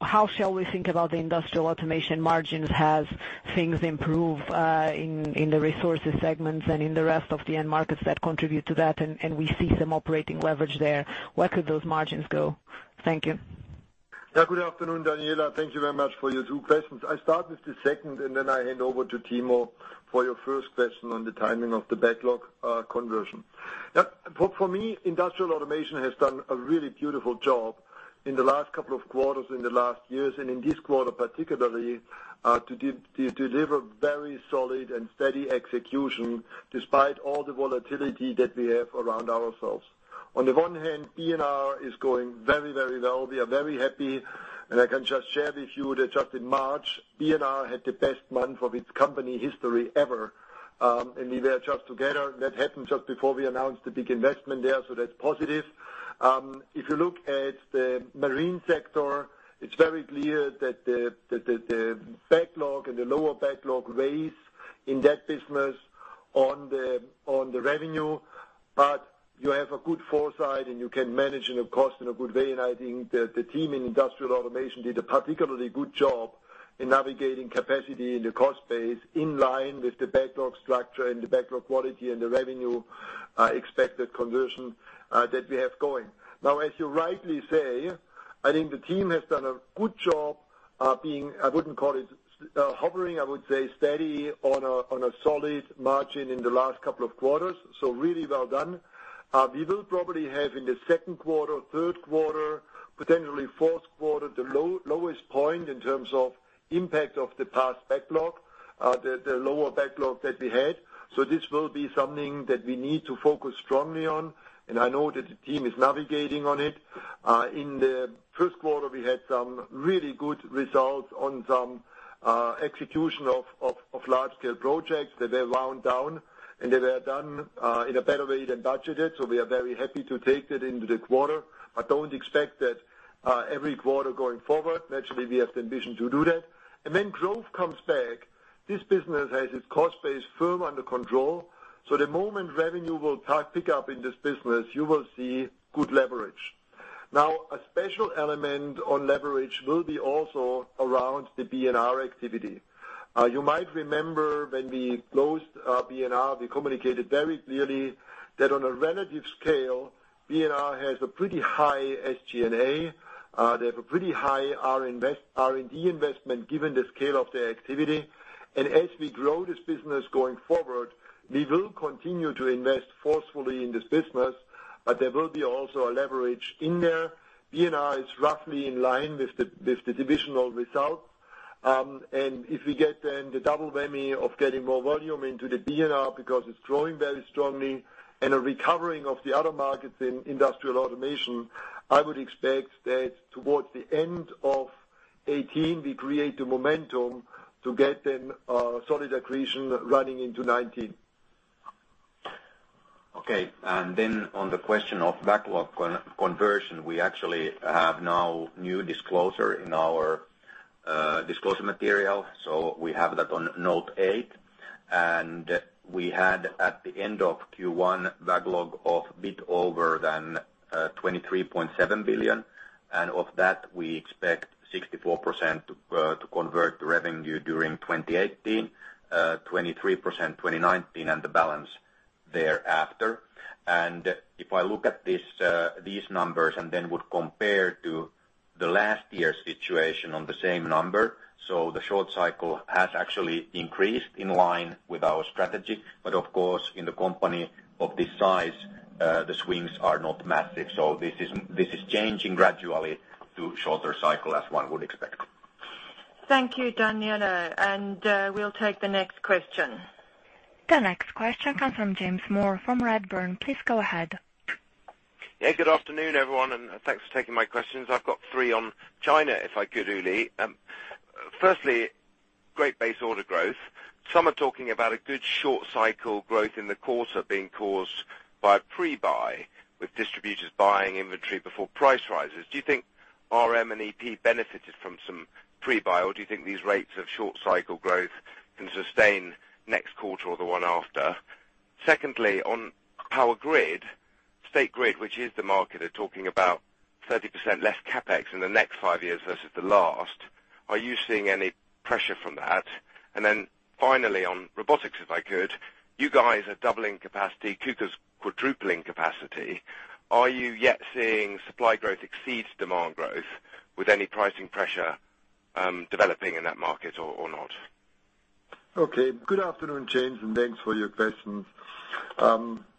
How shall we think about the Industrial Automation margins as things improve in the resources segments and in the rest of the end markets that contribute to that, and we see some operating leverage there. Where could those margins go? Thank you. Good afternoon, Daniela. Thank you very much for your two questions. I'll start with the second, then I hand over to Timo for your first question on the timing of the backlog conversion. For me, Industrial Automation has done a really beautiful job in the last couple of quarters, in the last years, and in this quarter particularly, to deliver very solid and steady execution despite all the volatility that we have around ourselves. On the one hand, B&R is going very, very well. We are very happy, and I can just share with you that just in March, B&R had the best month of its company history ever. We were just together. That happened just before we announced the big investment there, that's positive. If you look at the marine sector, it's very clear that the backlog and the lower backlog weighs in that business on the revenue. You have a good foresight, and you can manage in a cost in a good way. I think the team in Industrial Automation did a particularly good job in navigating capacity in the cost base in line with the backlog structure and the backlog quality and the revenue expected conversion that we have going. As you rightly say, I think the team has done a good job being, I wouldn't call it hovering, I would say steady on a solid margin in the last couple of quarters. Really well done. We will probably have in the second quarter, third quarter, potentially fourth quarter, the lowest point in terms of impact of the past backlog, the lower backlog that we had. This will be something that we need to focus strongly on, and I know that the team is navigating on it. In the first quarter, we had some really good results on some execution of large scale projects that they wound down and that they are done in a better way than budgeted. We are very happy to take that into the quarter, but don't expect that every quarter going forward. Naturally, we have the ambition to do that. Growth comes back. This business has its cost base firm under control, the moment revenue will pick up in this business, you will see good leverage. A special element on leverage will be also around the B&R activity. You might remember when we closed B&R, we communicated very clearly that on a relative scale, B&R has a pretty high SG&A. They have a pretty high R&D investment given the scale of their activity. As we grow this business going forward, we will continue to invest forcefully in this business, there will be also a leverage in there. B&R is roughly in line with the divisional results. If we get then the double whammy of getting more volume into the B&R because it's growing very strongly and a recovering of the other markets in Industrial Automation, I would expect that towards the end of 2018, we create the momentum to get them solid accretion running into 2019. Okay. On the question of backlog conversion, we actually have now new disclosure in our disclosure material. We have that on note eight, and we had at the end of Q1 backlog of bit over than $23.7 billion. Of that, we expect 64% to convert to revenue during 2018, 23% 2019, and the balance thereafter. If I look at these numbers and then would compare to the last year's situation on the same number, the short cycle has actually increased in line with our strategy. Of course, in the company of this size, the swings are not massive. This is changing gradually to shorter cycle as one would expect. Thank you, Daniela. We'll take the next question. The next question comes from James Moore from Redburn. Please go ahead. Yeah. Good afternoon, everyone, and thanks for taking my questions. I've got three on China, if I could, Uli. Firstly, great base order growth. Some are talking about a good short cycle growth in the quarter being caused by a pre-buy with distributors buying inventory before price rises. Do you think RM and EP benefited from some pre-buy, or do you think these rates of short cycle growth can sustain next quarter or the one after? Secondly, on Power Grids, State Grid, which is the market, are talking about 30% less CapEx in the next five years versus the last. Are you seeing any pressure from that? Then finally on robotics, if I could. You guys are doubling capacity, KUKA's quadrupling capacity. Are you yet seeing supply growth exceed demand growth with any pricing pressure developing in that market or not? Okay. Good afternoon, James, and thanks for your questions.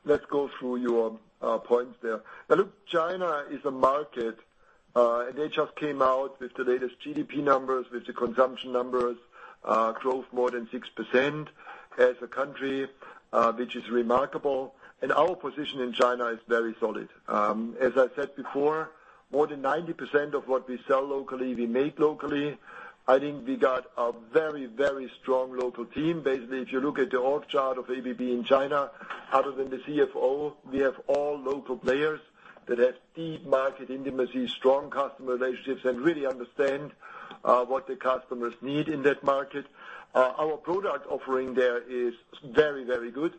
Let's go through your points there. Look, China is a market, and they just came out with the latest GDP numbers, with the consumption numbers, growth more than 6% as a country, which is remarkable. Our position in China is very solid. As I said before, more than 90% of what we sell locally, we make locally. I think we got a very strong local team. Basically, if you look at the org chart of ABB in China, other than the CFO, we have all local players that have deep market intimacy, strong customer relationships, and really understand what the customers need in that market. Our product offering there is very good.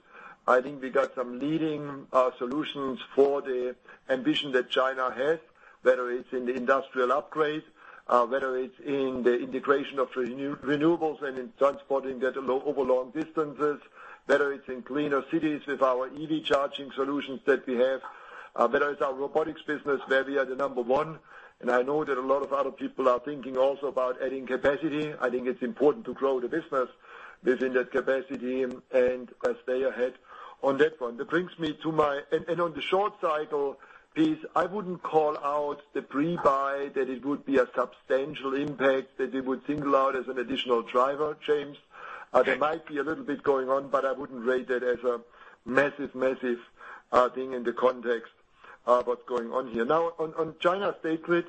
I think we got some leading solutions for the ambition that China has, whether it's in the industrial upgrade, whether it's in the integration of renewables and in transporting that over long distances, whether it's in cleaner cities with our EV charging solutions that we have, whether it's our robotics business, where we are the number one. I know that a lot of other people are thinking also about adding capacity. I think it's important to grow the business within that capacity and stay ahead on that one. On the short cycle piece, I wouldn't call out the pre-buy that it would be a substantial impact, that it would single out as an additional driver change. There might be a little bit going on, but I wouldn't rate that as a massive thing in the context of what's going on here. On China, State Grid.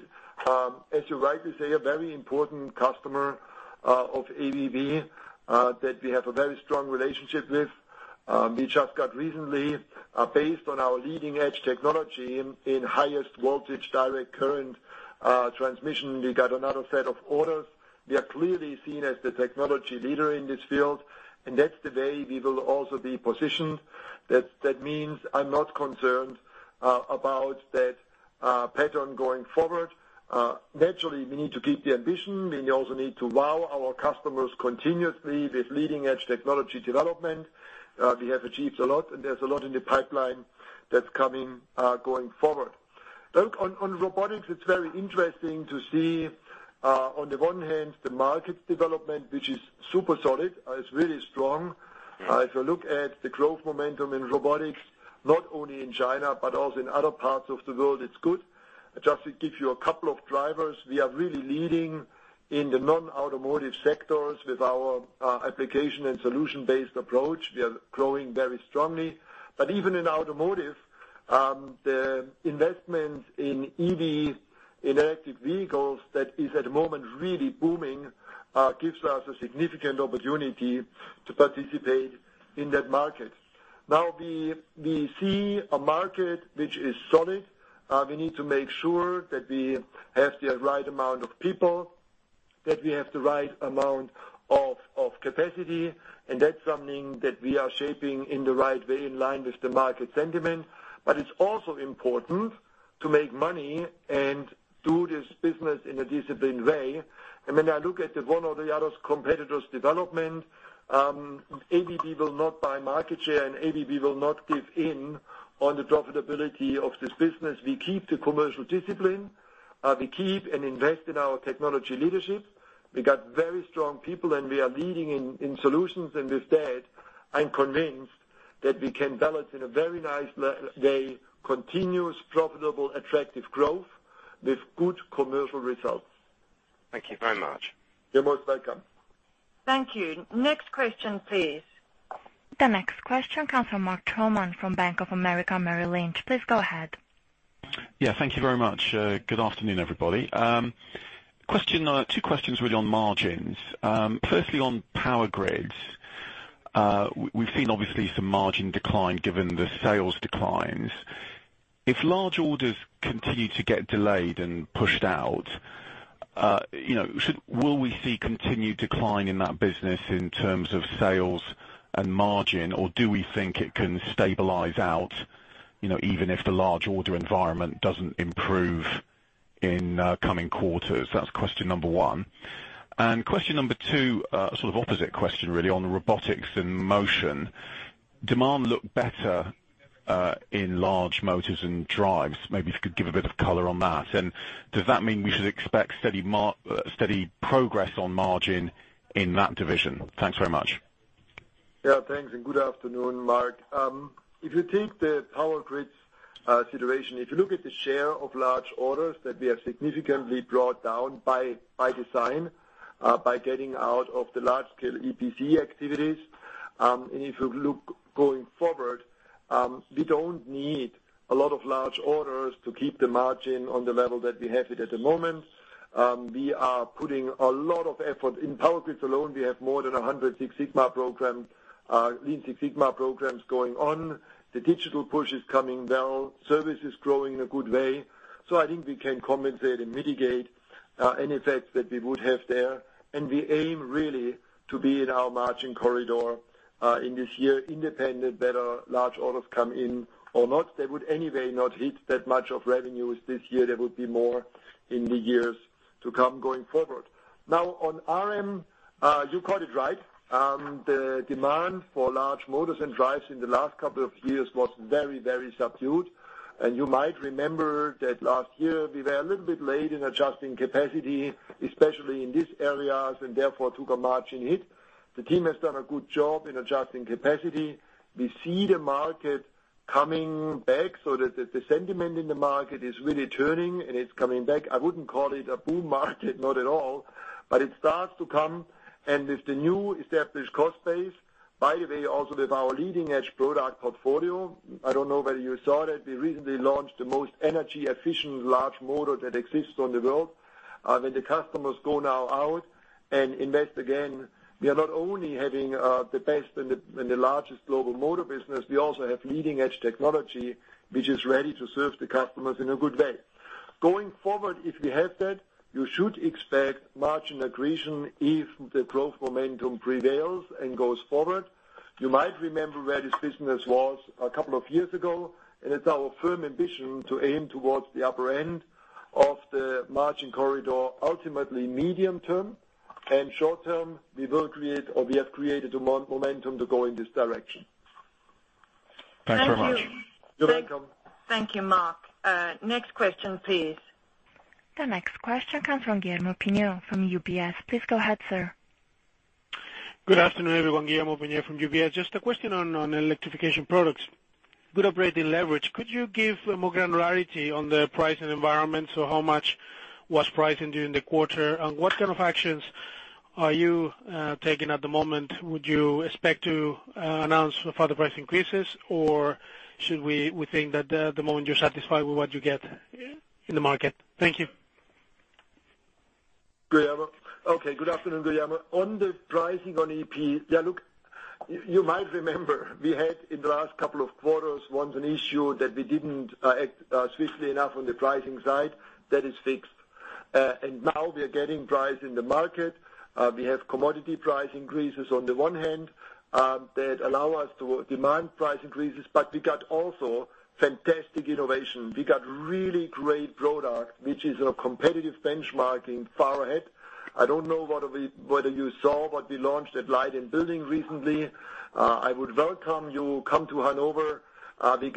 As you rightly say, a very important customer of ABB that we have a very strong relationship with. We just got recently, based on our leading-edge technology in highest voltage direct current transmission, we got another set of orders. We are clearly seen as the technology leader in this field, and that's the way we will also be positioned. That means I'm not concerned about that pattern going forward. Naturally, we need to keep the ambition. We also need to wow our customers continuously with leading-edge technology development. We have achieved a lot, and there's a lot in the pipeline that's coming going forward. Look, on robotics, it's very interesting to see, on the one hand, the market development, which is super solid. It's really strong. If you look at the growth momentum in robotics, not only in China but also in other parts of the world, it's good. Just to give you a couple of drivers, we are really leading in the non-automotive sectors with our application and solution-based approach. We are growing very strongly. Even in automotive, the investment in EVs, in electric vehicles, that is at the moment really booming gives us a significant opportunity to participate in that market. Now we see a market which is solid. We need to make sure that we have the right amount of people, that we have the right amount of capacity, and that's something that we are shaping in the right way in line with the market sentiment. It's also important to make money and do this business in a disciplined way. When I look at one or the other competitor's development, ABB will not buy market share, and ABB will not give in on the profitability of this business. We keep the commercial discipline. We keep and invest in our technology leadership. We got very strong people, and we are leading in solutions. With that, I'm convinced that we can balance in a very nice way, continuous, profitable, attractive growth with good commercial results. Thank you very much. You're most welcome. Thank you. Next question, please. The next question comes from Mark Troman from Bank of America Merrill Lynch. Please go ahead. Yeah, thank you very much. Good afternoon, everybody. two questions really on margins. Firstly, on Power Grids, we've seen obviously some margin decline given the sales declines. If large orders continue to get delayed and pushed out, will we see continued decline in that business in terms of sales and margin, or do we think it can stabilize out, even if the large order environment doesn't improve in coming quarters? That's question number one. Question number two, sort of opposite question really on Robotics and Motion. Demand looked better in large motors and drives. Maybe if you could give a bit of color on that. And does that mean we should expect steady progress on margin in that division? Thanks very much. Thanks and good afternoon, Mark. If you take the Power Grids situation, if you look at the share of large orders that we have significantly brought down by design, by getting out of the large-scale EPC activities, if you look going forward, we don't need a lot of large orders to keep the margin on the level that we have it at the moment. We are putting a lot of effort. In Power Grids alone, we have more than 100 Lean Six Sigma programs going on. The digital push is coming down. Service is growing in a good way. I think we can compensate and mitigate any effects that we would have there, and we aim really to be in our margin corridor in this year, independent whether large orders come in or not. They would anyway not hit that much of revenues this year. There would be more in the years to come going forward. On RM, you got it right. The demand for large motors and drives in the last couple of years was very subdued. You might remember that last year we were a little bit late in adjusting capacity, especially in these areas, and therefore took a margin hit. The team has done a good job in adjusting capacity. We see the market coming back. The sentiment in the market is really turning and it's coming back. I wouldn't call it a boom market not at all, but it starts to come. With the new established cost base, by the way, also with our leading-edge product portfolio. I don't know whether you saw that we recently launched the most energy efficient large motor that exists in the world. When the customers go now out and invest again, we are not only having the best and the largest global motor business, we also have leading-edge technology, which is ready to serve the customers in a good way. Going forward, if we have that, you should expect margin accretion if the growth momentum prevails and goes forward. You might remember where this business was a couple of years ago, it's our firm ambition to aim towards the upper end of the margin corridor, ultimately medium term, and short term, we will create or we have created the momentum to go in this direction. Thanks very much. You're welcome. Thank you, Mark. Next question, please. The next question comes from Guillermo Peigneux from UBS. Please go ahead, sir. Good afternoon, everyone. Guillermo Peigneux from UBS. Just a question on Electrification Products. Good operating leverage. Could you give more granularity on the pricing environment? How much was pricing during the quarter, and what kind of actions are you taking at the moment? Would you expect to announce further price increases, or should we think that at the moment you're satisfied with what you get in the market? Thank you. Guillermo. Okay, good afternoon, Guillermo. The pricing on EP. You might remember we had in the last couple of quarters, once an issue that we didn't act swiftly enough on the pricing side. That is fixed. Now we are getting price in the market. We have commodity price increases on the one hand that allow us to demand price increases, but we got also fantastic innovation. We got really great product, which is a competitive benchmarking far ahead. I don't know whether you saw what we launched at Light + Building recently. I would welcome you, come to Hannover. We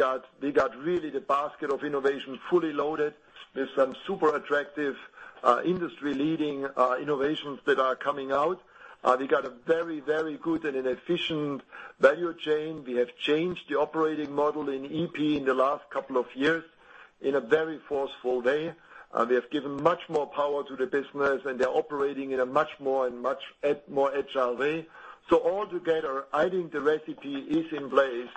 got really the basket of innovation fully loaded with some super attractive, industry-leading innovations that are coming out. We got a very good and an efficient value chain. We have changed the operating model in EP in the last couple of years in a very forceful way. We have given much more power to the business, and they're operating in a much more agile way. All together, I think the recipe is in place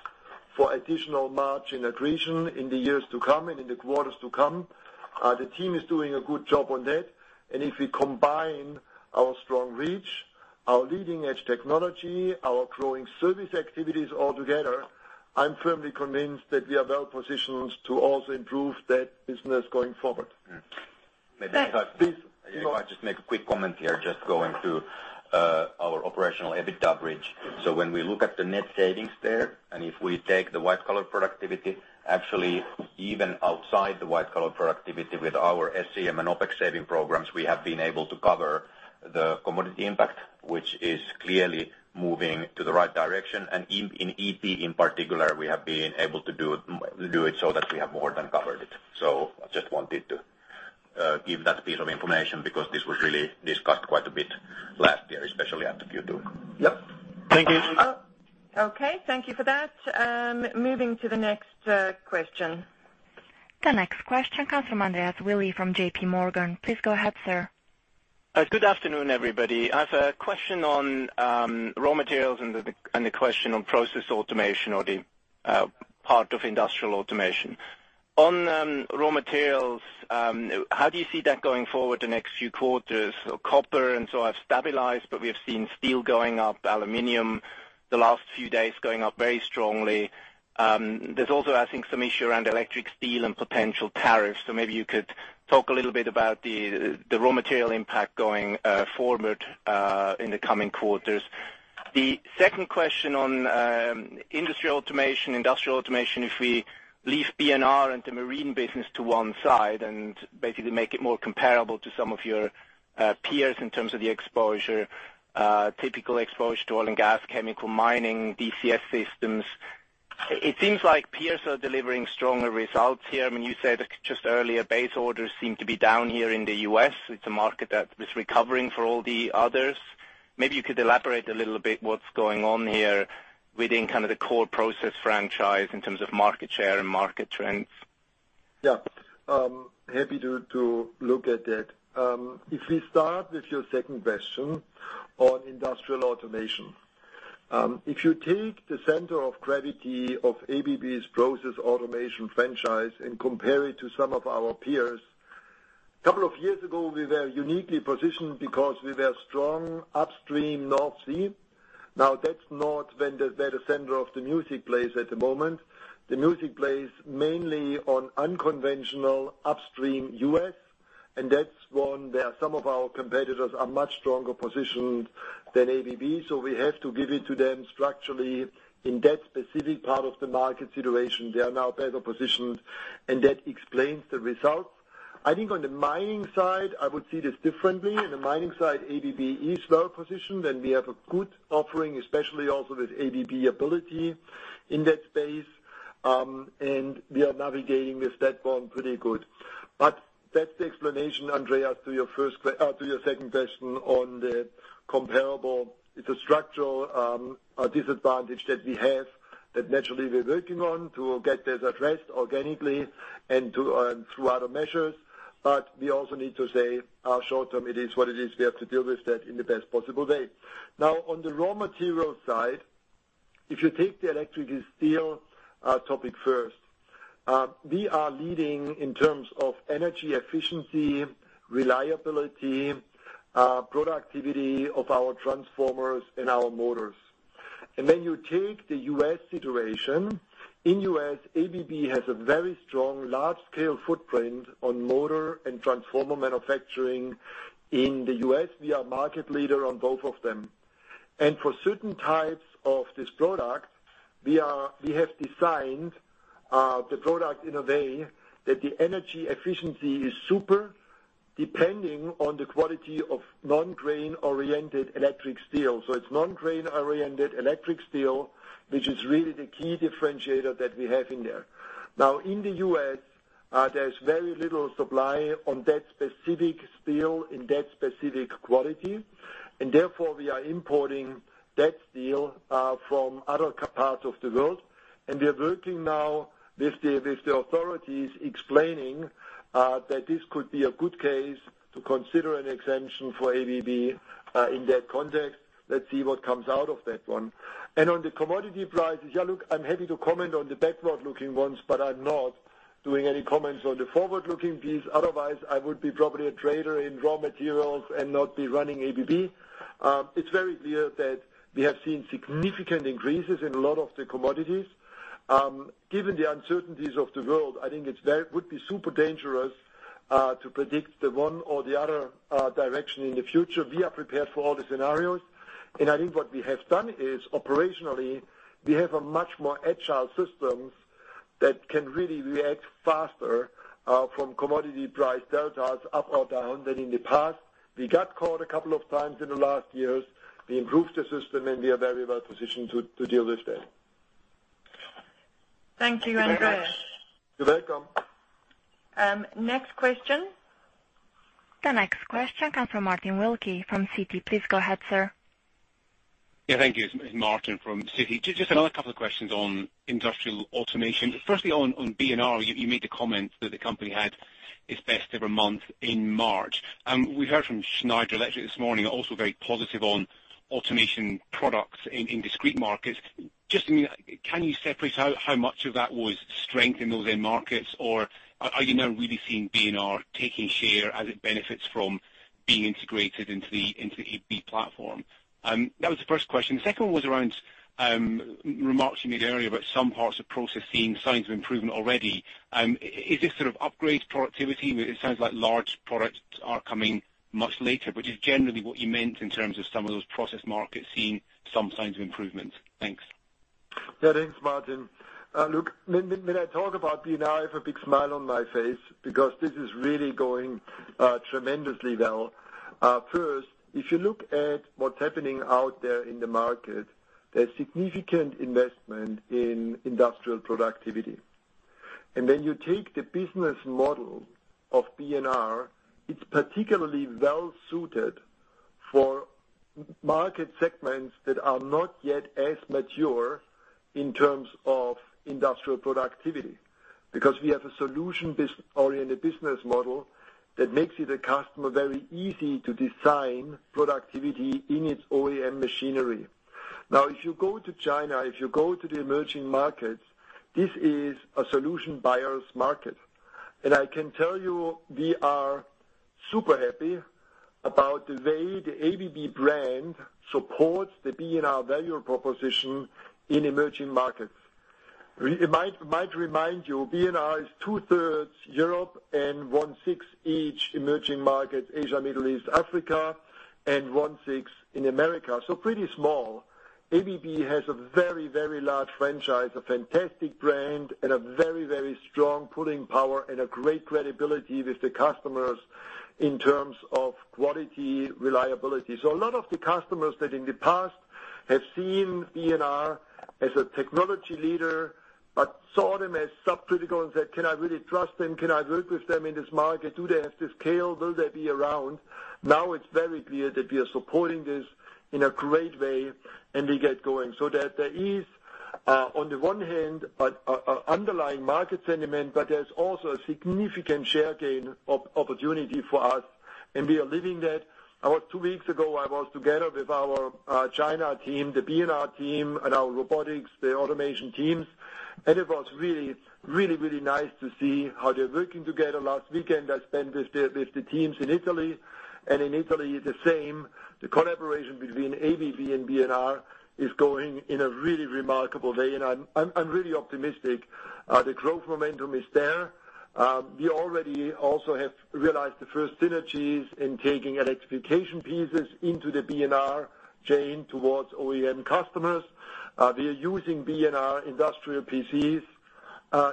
for additional margin accretion in the years to come and in the quarters to come. The team is doing a good job on that, and if we combine our strong reach, our leading-edge technology, our growing service activities all together, I'm firmly convinced that we are well-positioned to also improve that business going forward. Thanks. Please go ahead. If I just make a quick comment here, just going to our operational EBITA bridge. When we look at the net savings there, and if we take the white collar productivity, actually even outside the white collar productivity with our SCM and OpEx saving programs, we have been able to cover the commodity impact, which is clearly moving to the right direction. In EP in particular, we have been able to do it so that we have more than covered it. I just wanted to give that piece of information because this was really discussed quite a bit last year, especially at the Q2. Yep. Thank you. Okay. Thank you for that. Moving to the next question. The next question comes from Andreas Willi from JPMorgan. Please go ahead, sir. Good afternoon, everybody. I have a question on raw materials and a question on process automation or the part of Industrial Automation. On raw materials, how do you see that going forward the next few quarters? Copper and so have stabilized, but we have seen steel going up, aluminum the last few days going up very strongly. There's also, I think, some issue around electric steel and potential tariffs. Maybe you could talk a little bit about the raw material impact going forward in the coming quarters. The second question on Industrial Automation. If we leave B&R and the marine business to one side and basically make it more comparable to some of your peers in terms of the exposure, typical exposure to oil and gas, chemical mining, DCS systems. It seems like peers are delivering stronger results here. You said just earlier base orders seem to be down here in the U.S. It's a market that is recovering for all the others. You could elaborate a little bit what's going on here within the core process franchise in terms of market share and market trends. Happy to look at that. If we start with your second question on Industrial Automation. If you take the center of gravity of ABB's process automation franchise and compare it to some of our peers, a couple of years ago, we were uniquely positioned because we were strong upstream North Sea. That's not where the center of the music plays at the moment. The music plays mainly on unconventional upstream U.S., and that's one where some of our competitors are much stronger positioned than ABB, so we have to give it to them structurally in that specific part of the market situation. They are now better positioned, and that explains the results. I think on the mining side, I would see this differently. In the mining side, ABB is well-positioned, and we have a good offering, especially also with ABB Ability in that space. We are navigating with that one pretty good. That's the explanation, Andreas, to your second question on the comparable. It's a structural disadvantage that we have, that naturally we're working on to get that addressed organically and through other measures. We also need to say how short-term it is what it is. We have to deal with that in the best possible way. On the raw material side, if you take the electric steel topic first. We are leading in terms of energy efficiency, reliability, productivity of our transformers and our motors. You take the U.S. situation. In U.S., ABB has a very strong, large-scale footprint on motor and transformer manufacturing. In the U.S., we are market leader on both of them. For certain types of this product, we have designed the product in a way that the energy efficiency is super, depending on the quality of non-grain-oriented electrical steel. It's non-grain-oriented electrical steel, which is really the key differentiator that we have in there. In the U.S., there's very little supply on that specific steel in that specific quality, therefore we are importing that steel from other parts of the world. We are working now with the authorities explaining that this could be a good case to consider an exemption for ABB in that context. Let's see what comes out of that one. On the commodity prices, look, I'm happy to comment on the backward-looking ones, I'm not doing any comments on the forward-looking piece. Otherwise, I would be probably a trader in raw materials and not be running ABB. It's very clear that we have seen significant increases in a lot of the commodities. Given the uncertainties of the world, I think it would be super dangerous to predict the one or the other direction in the future. We are prepared for all the scenarios, and I think what we have done is operationally, we have a much more agile system that can really react faster from commodity price deltas up or down than in the past. We got caught a couple of times in the last years. We improved the system, and we are very well positioned to deal with that. Thank you, Andreas. You're welcome. Next question. The next question comes from Martin Wilkie from Citi. Please go ahead, sir. Yeah, thank you. It's Martin from Citi. Just another couple of questions on Industrial Automation. Firstly, on B&R, you made the comment that the company had its best-ever month in March. We heard from Schneider Electric this morning, also very positive on automation products in discrete markets. Just can you separate how much of that was strength in those end markets? Or are you now really seeing B&R taking share as it benefits from being integrated into the ABB platform? That was the first question. The second one was around remarks you made earlier about some parts of process seeing signs of improvement already. Is this sort of upgrade productivity? It sounds like large products are coming much later. Just generally what you meant in terms of some of those process markets seeing some signs of improvement. Thanks. Yeah. Thanks, Martin. Look, when I talk about B&R, I have a big smile on my face because this is really going tremendously well. First, if you look at what's happening out there in the market, there's significant investment in industrial productivity. When you take the business model of B&R, it's particularly well-suited for market segments that are not yet as mature in terms of industrial productivity. Because we have a solution-oriented business model that makes it a customer very easy to design productivity in its OEM machinery. Now, if you go to China, if you go to the emerging markets, this is a solution buyer's market. I can tell you we are super happy about the way the ABB brand supports the B&R value proposition in emerging markets. Might remind you, B&R is two-thirds Europe and one-sixth each emerging market, Asia, Middle East, Africa, and one-sixth in America. Pretty small. ABB has a very large franchise, a fantastic brand, and a very strong pulling power and a great credibility with the customers in terms of quality, reliability. A lot of the customers that in the past have seen B&R as a technology leader but saw them as subcritical and said, "Can I really trust them? Can I work with them in this market? Do they have the scale? Will they be around?" Now it's very clear that we are supporting this in a great way, and we get going. That there is, on the one hand, an underlying market sentiment, there's also a significant share gain opportunity for us, and we are living that. Two weeks ago, I was together with our China team, the B&R team, and our robotics, the automation teams, and it was really nice to see how they're working together. Last weekend, I spent with the teams in Italy. In Italy, the same. The collaboration between ABB and B&R is going in a really remarkable way, and I'm really optimistic. The growth momentum is there. We already also have realized the first synergies in taking electrification pieces into the B&R chain towards OEM customers. We are using B&R industrial PCs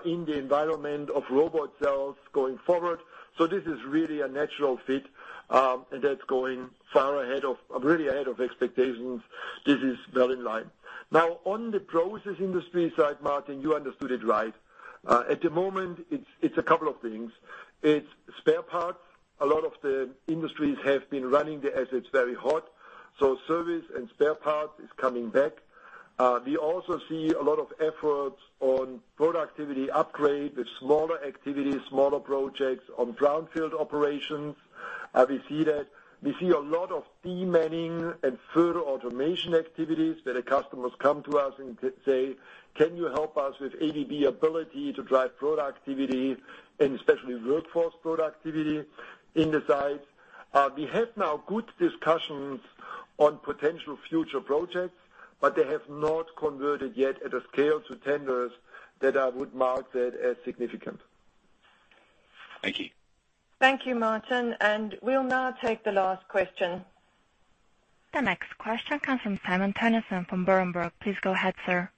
in the environment of robot sales going forward. This is really a natural fit, and that's going far ahead of expectations. This is well in line. Now on the process industry side, Martin, you understood it right. At the moment, it's a couple of things. It's spare parts. A lot of the industries have been running the assets very hot, service and spare parts is coming back. We also see a lot of efforts on productivity upgrade with smaller activities, smaller projects on brownfield operations. We see a lot of demanning and further automation activities where the customers come to us and say, "Can you help us with ABB Ability to drive productivity and especially workforce productivity in the sites?" We have now good discussions on potential future projects, but they have not converted yet at a scale to tenders that I would mark that as significant. Thank you. Thank you, Martin. We'll now take the last question. The next question comes from Simon Toennessen from Berenberg. Please go ahead, sir.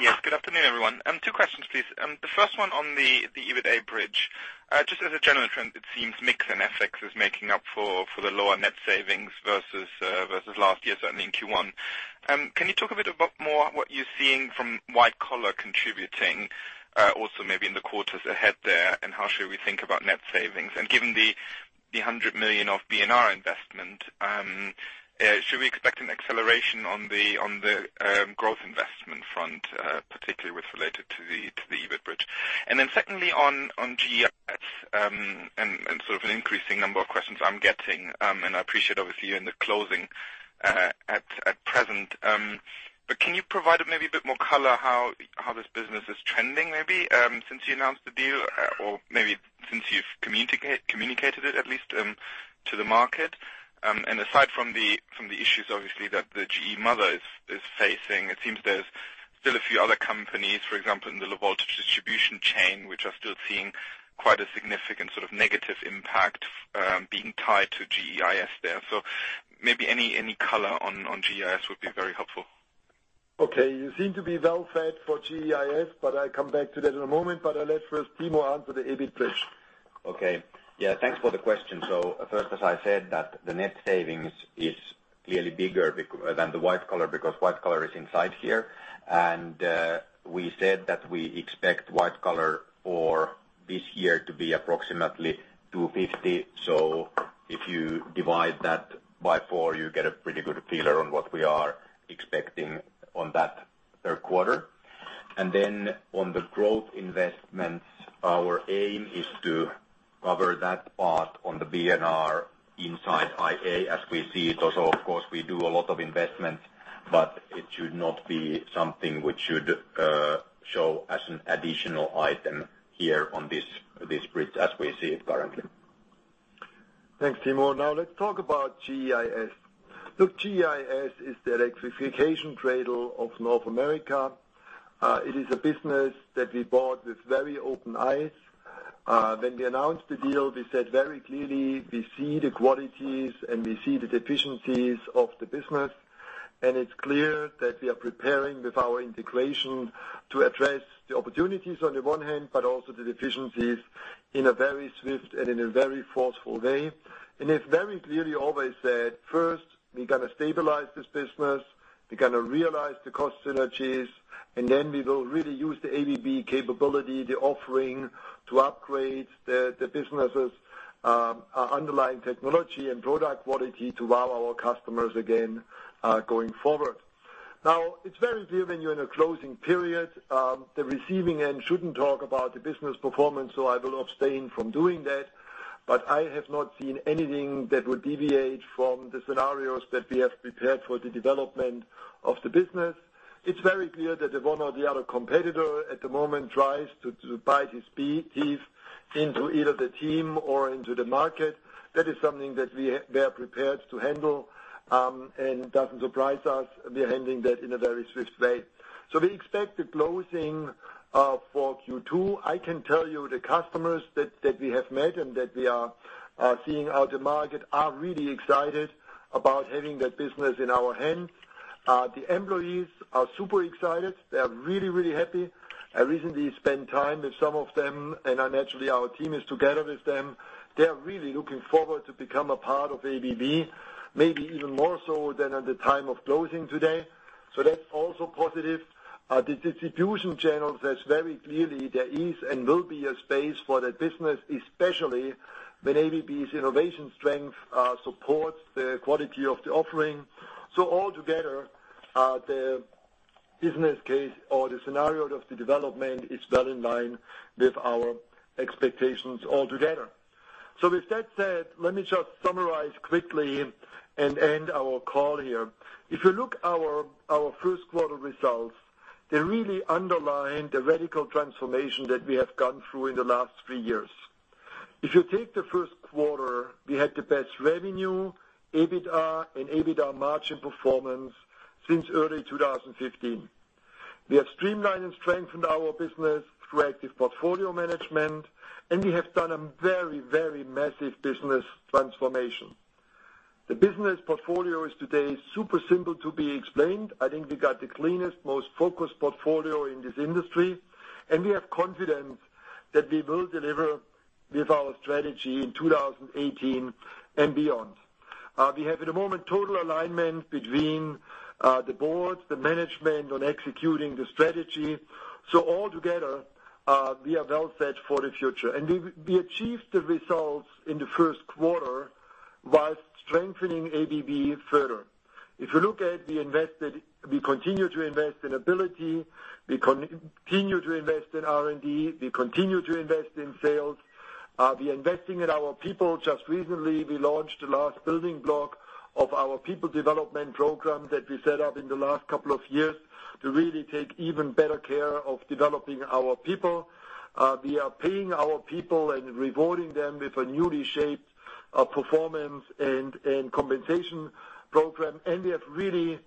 Yes. Good afternoon, everyone. Two questions, please. The first one on the EBITA bridge. Just as a general trend, it seems mix and FX is making up for the lower net savings versus last year, certainly in Q1. Can you talk a bit about more what you're seeing from white collar contributing, also maybe in the quarters ahead there, and how should we think about net savings? Given the $100 million of B&R investment, should we expect an acceleration on the growth investment front, particularly with related to the EBIT bridge? Secondly, on GEIS, and sort of an increasing number of questions I'm getting, and I appreciate, obviously you're in the closing at present. Can you provide maybe a bit more color how this business is trending maybe, since you announced the deal, or maybe since you've communicated it at least to the market? Aside from the issues obviously that the GE mother is facing, it seems there's still a few other companies, for example, in the low voltage distribution chain, which are still seeing quite a significant sort of negative impact, being tied to GEIS there. Maybe any color on GEIS would be very helpful. Okay. You seem to be well fed for GEIS, but I'll come back to that in a moment, but I let first Timo answer the EBIT bridge. Okay. Yeah. Thanks for the question. First, as I said that the net savings is clearly bigger than the white collar because white collar is inside here. We said that we expect white collar for this year to be approximately 250. If you divide that by four, you get a pretty good feel around what we are expecting on that third quarter. On the growth investments, our aim is to cover that part on the B&R inside IA as we see it. Also, of course, we do a lot of investment, but it should not be something which should show as an additional item here on this bridge as we see it currently. Thanks, Timo. Let's talk about GEIS. Look, GEIS is the electrification cradle of North America. It is a business that we bought with very open eyes. When we announced the deal, we said very clearly we see the qualities and we see the deficiencies of the business, and it's clear that we are preparing with our integration to address the opportunities on the one hand, but also the deficiencies in a very swift and in a very forceful way. It's very clearly always said, first, we're going to stabilize this business. We're going to realize the cost synergies, and then we will really use the ABB capability, the offering, to upgrade the business' underlying technology and product quality to wow our customers again, going forward. It's very clear when you're in a closing period, the receiving end shouldn't talk about the business performance, so I will abstain from doing that. I have not seen anything that would deviate from the scenarios that we have prepared for the development of the business. It's very clear that if one or the other competitor at the moment tries to bite his teeth into either the team or into the market, that is something that we are prepared to handle, and doesn't surprise us. We are handling that in a very swift way. We expect the closing for Q2. I can tell you the customers that we have met and that we are seeing out in the market are really excited about having that business in our hands. The employees are super excited. They are really happy. I recently spent time with some of them, and naturally, our team is together with them. They are really looking forward to become a part of ABB, maybe even more so than at the time of closing today. That's also positive. The distribution channels, that's very clearly there is and will be a space for that business, especially when ABB's innovation strength supports the quality of the offering. All together, the business case or the scenario of the development is well in line with our expectations altogether. With that said, let me just summarize quickly and end our call here. If you look our first quarter results, they really underline the radical transformation that we have gone through in the last three years. If you take the first quarter, we had the best revenue, EBITDA, and EBITDA margin performance since early 2015. We have streamlined and strengthened our business through active portfolio management. We have done a very massive business transformation. The business portfolio is today super simple to be explained. I think we got the cleanest, most focused portfolio in this industry. We have confidence that we will deliver with our strategy in 2018 and beyond. We have at the moment total alignment between the board, the management on executing the strategy. All together, we are well set for the future. We achieved the results in the first quarter while strengthening ABB further. If you look at the invested, we continue to invest in ABB Ability, we continue to invest in R&D, we continue to invest in sales. We are investing in our people. Just recently, we launched the last building block of our people development program that we set up in the last couple of years to really take even better care of developing our people. We are paying our people and rewarding them with a newly shaped performance and compensation program. We have really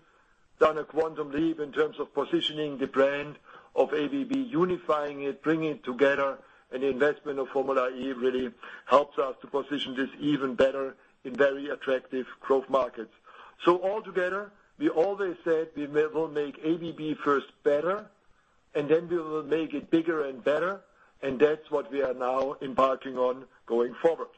done a quantum leap in terms of positioning the brand of ABB, unifying it, bringing it together. The investment of Formula E really helps us to position this even better in very attractive growth markets. Altogether, we always said we will make ABB first better. Then we will make it bigger and better. That's what we are now embarking on going forward.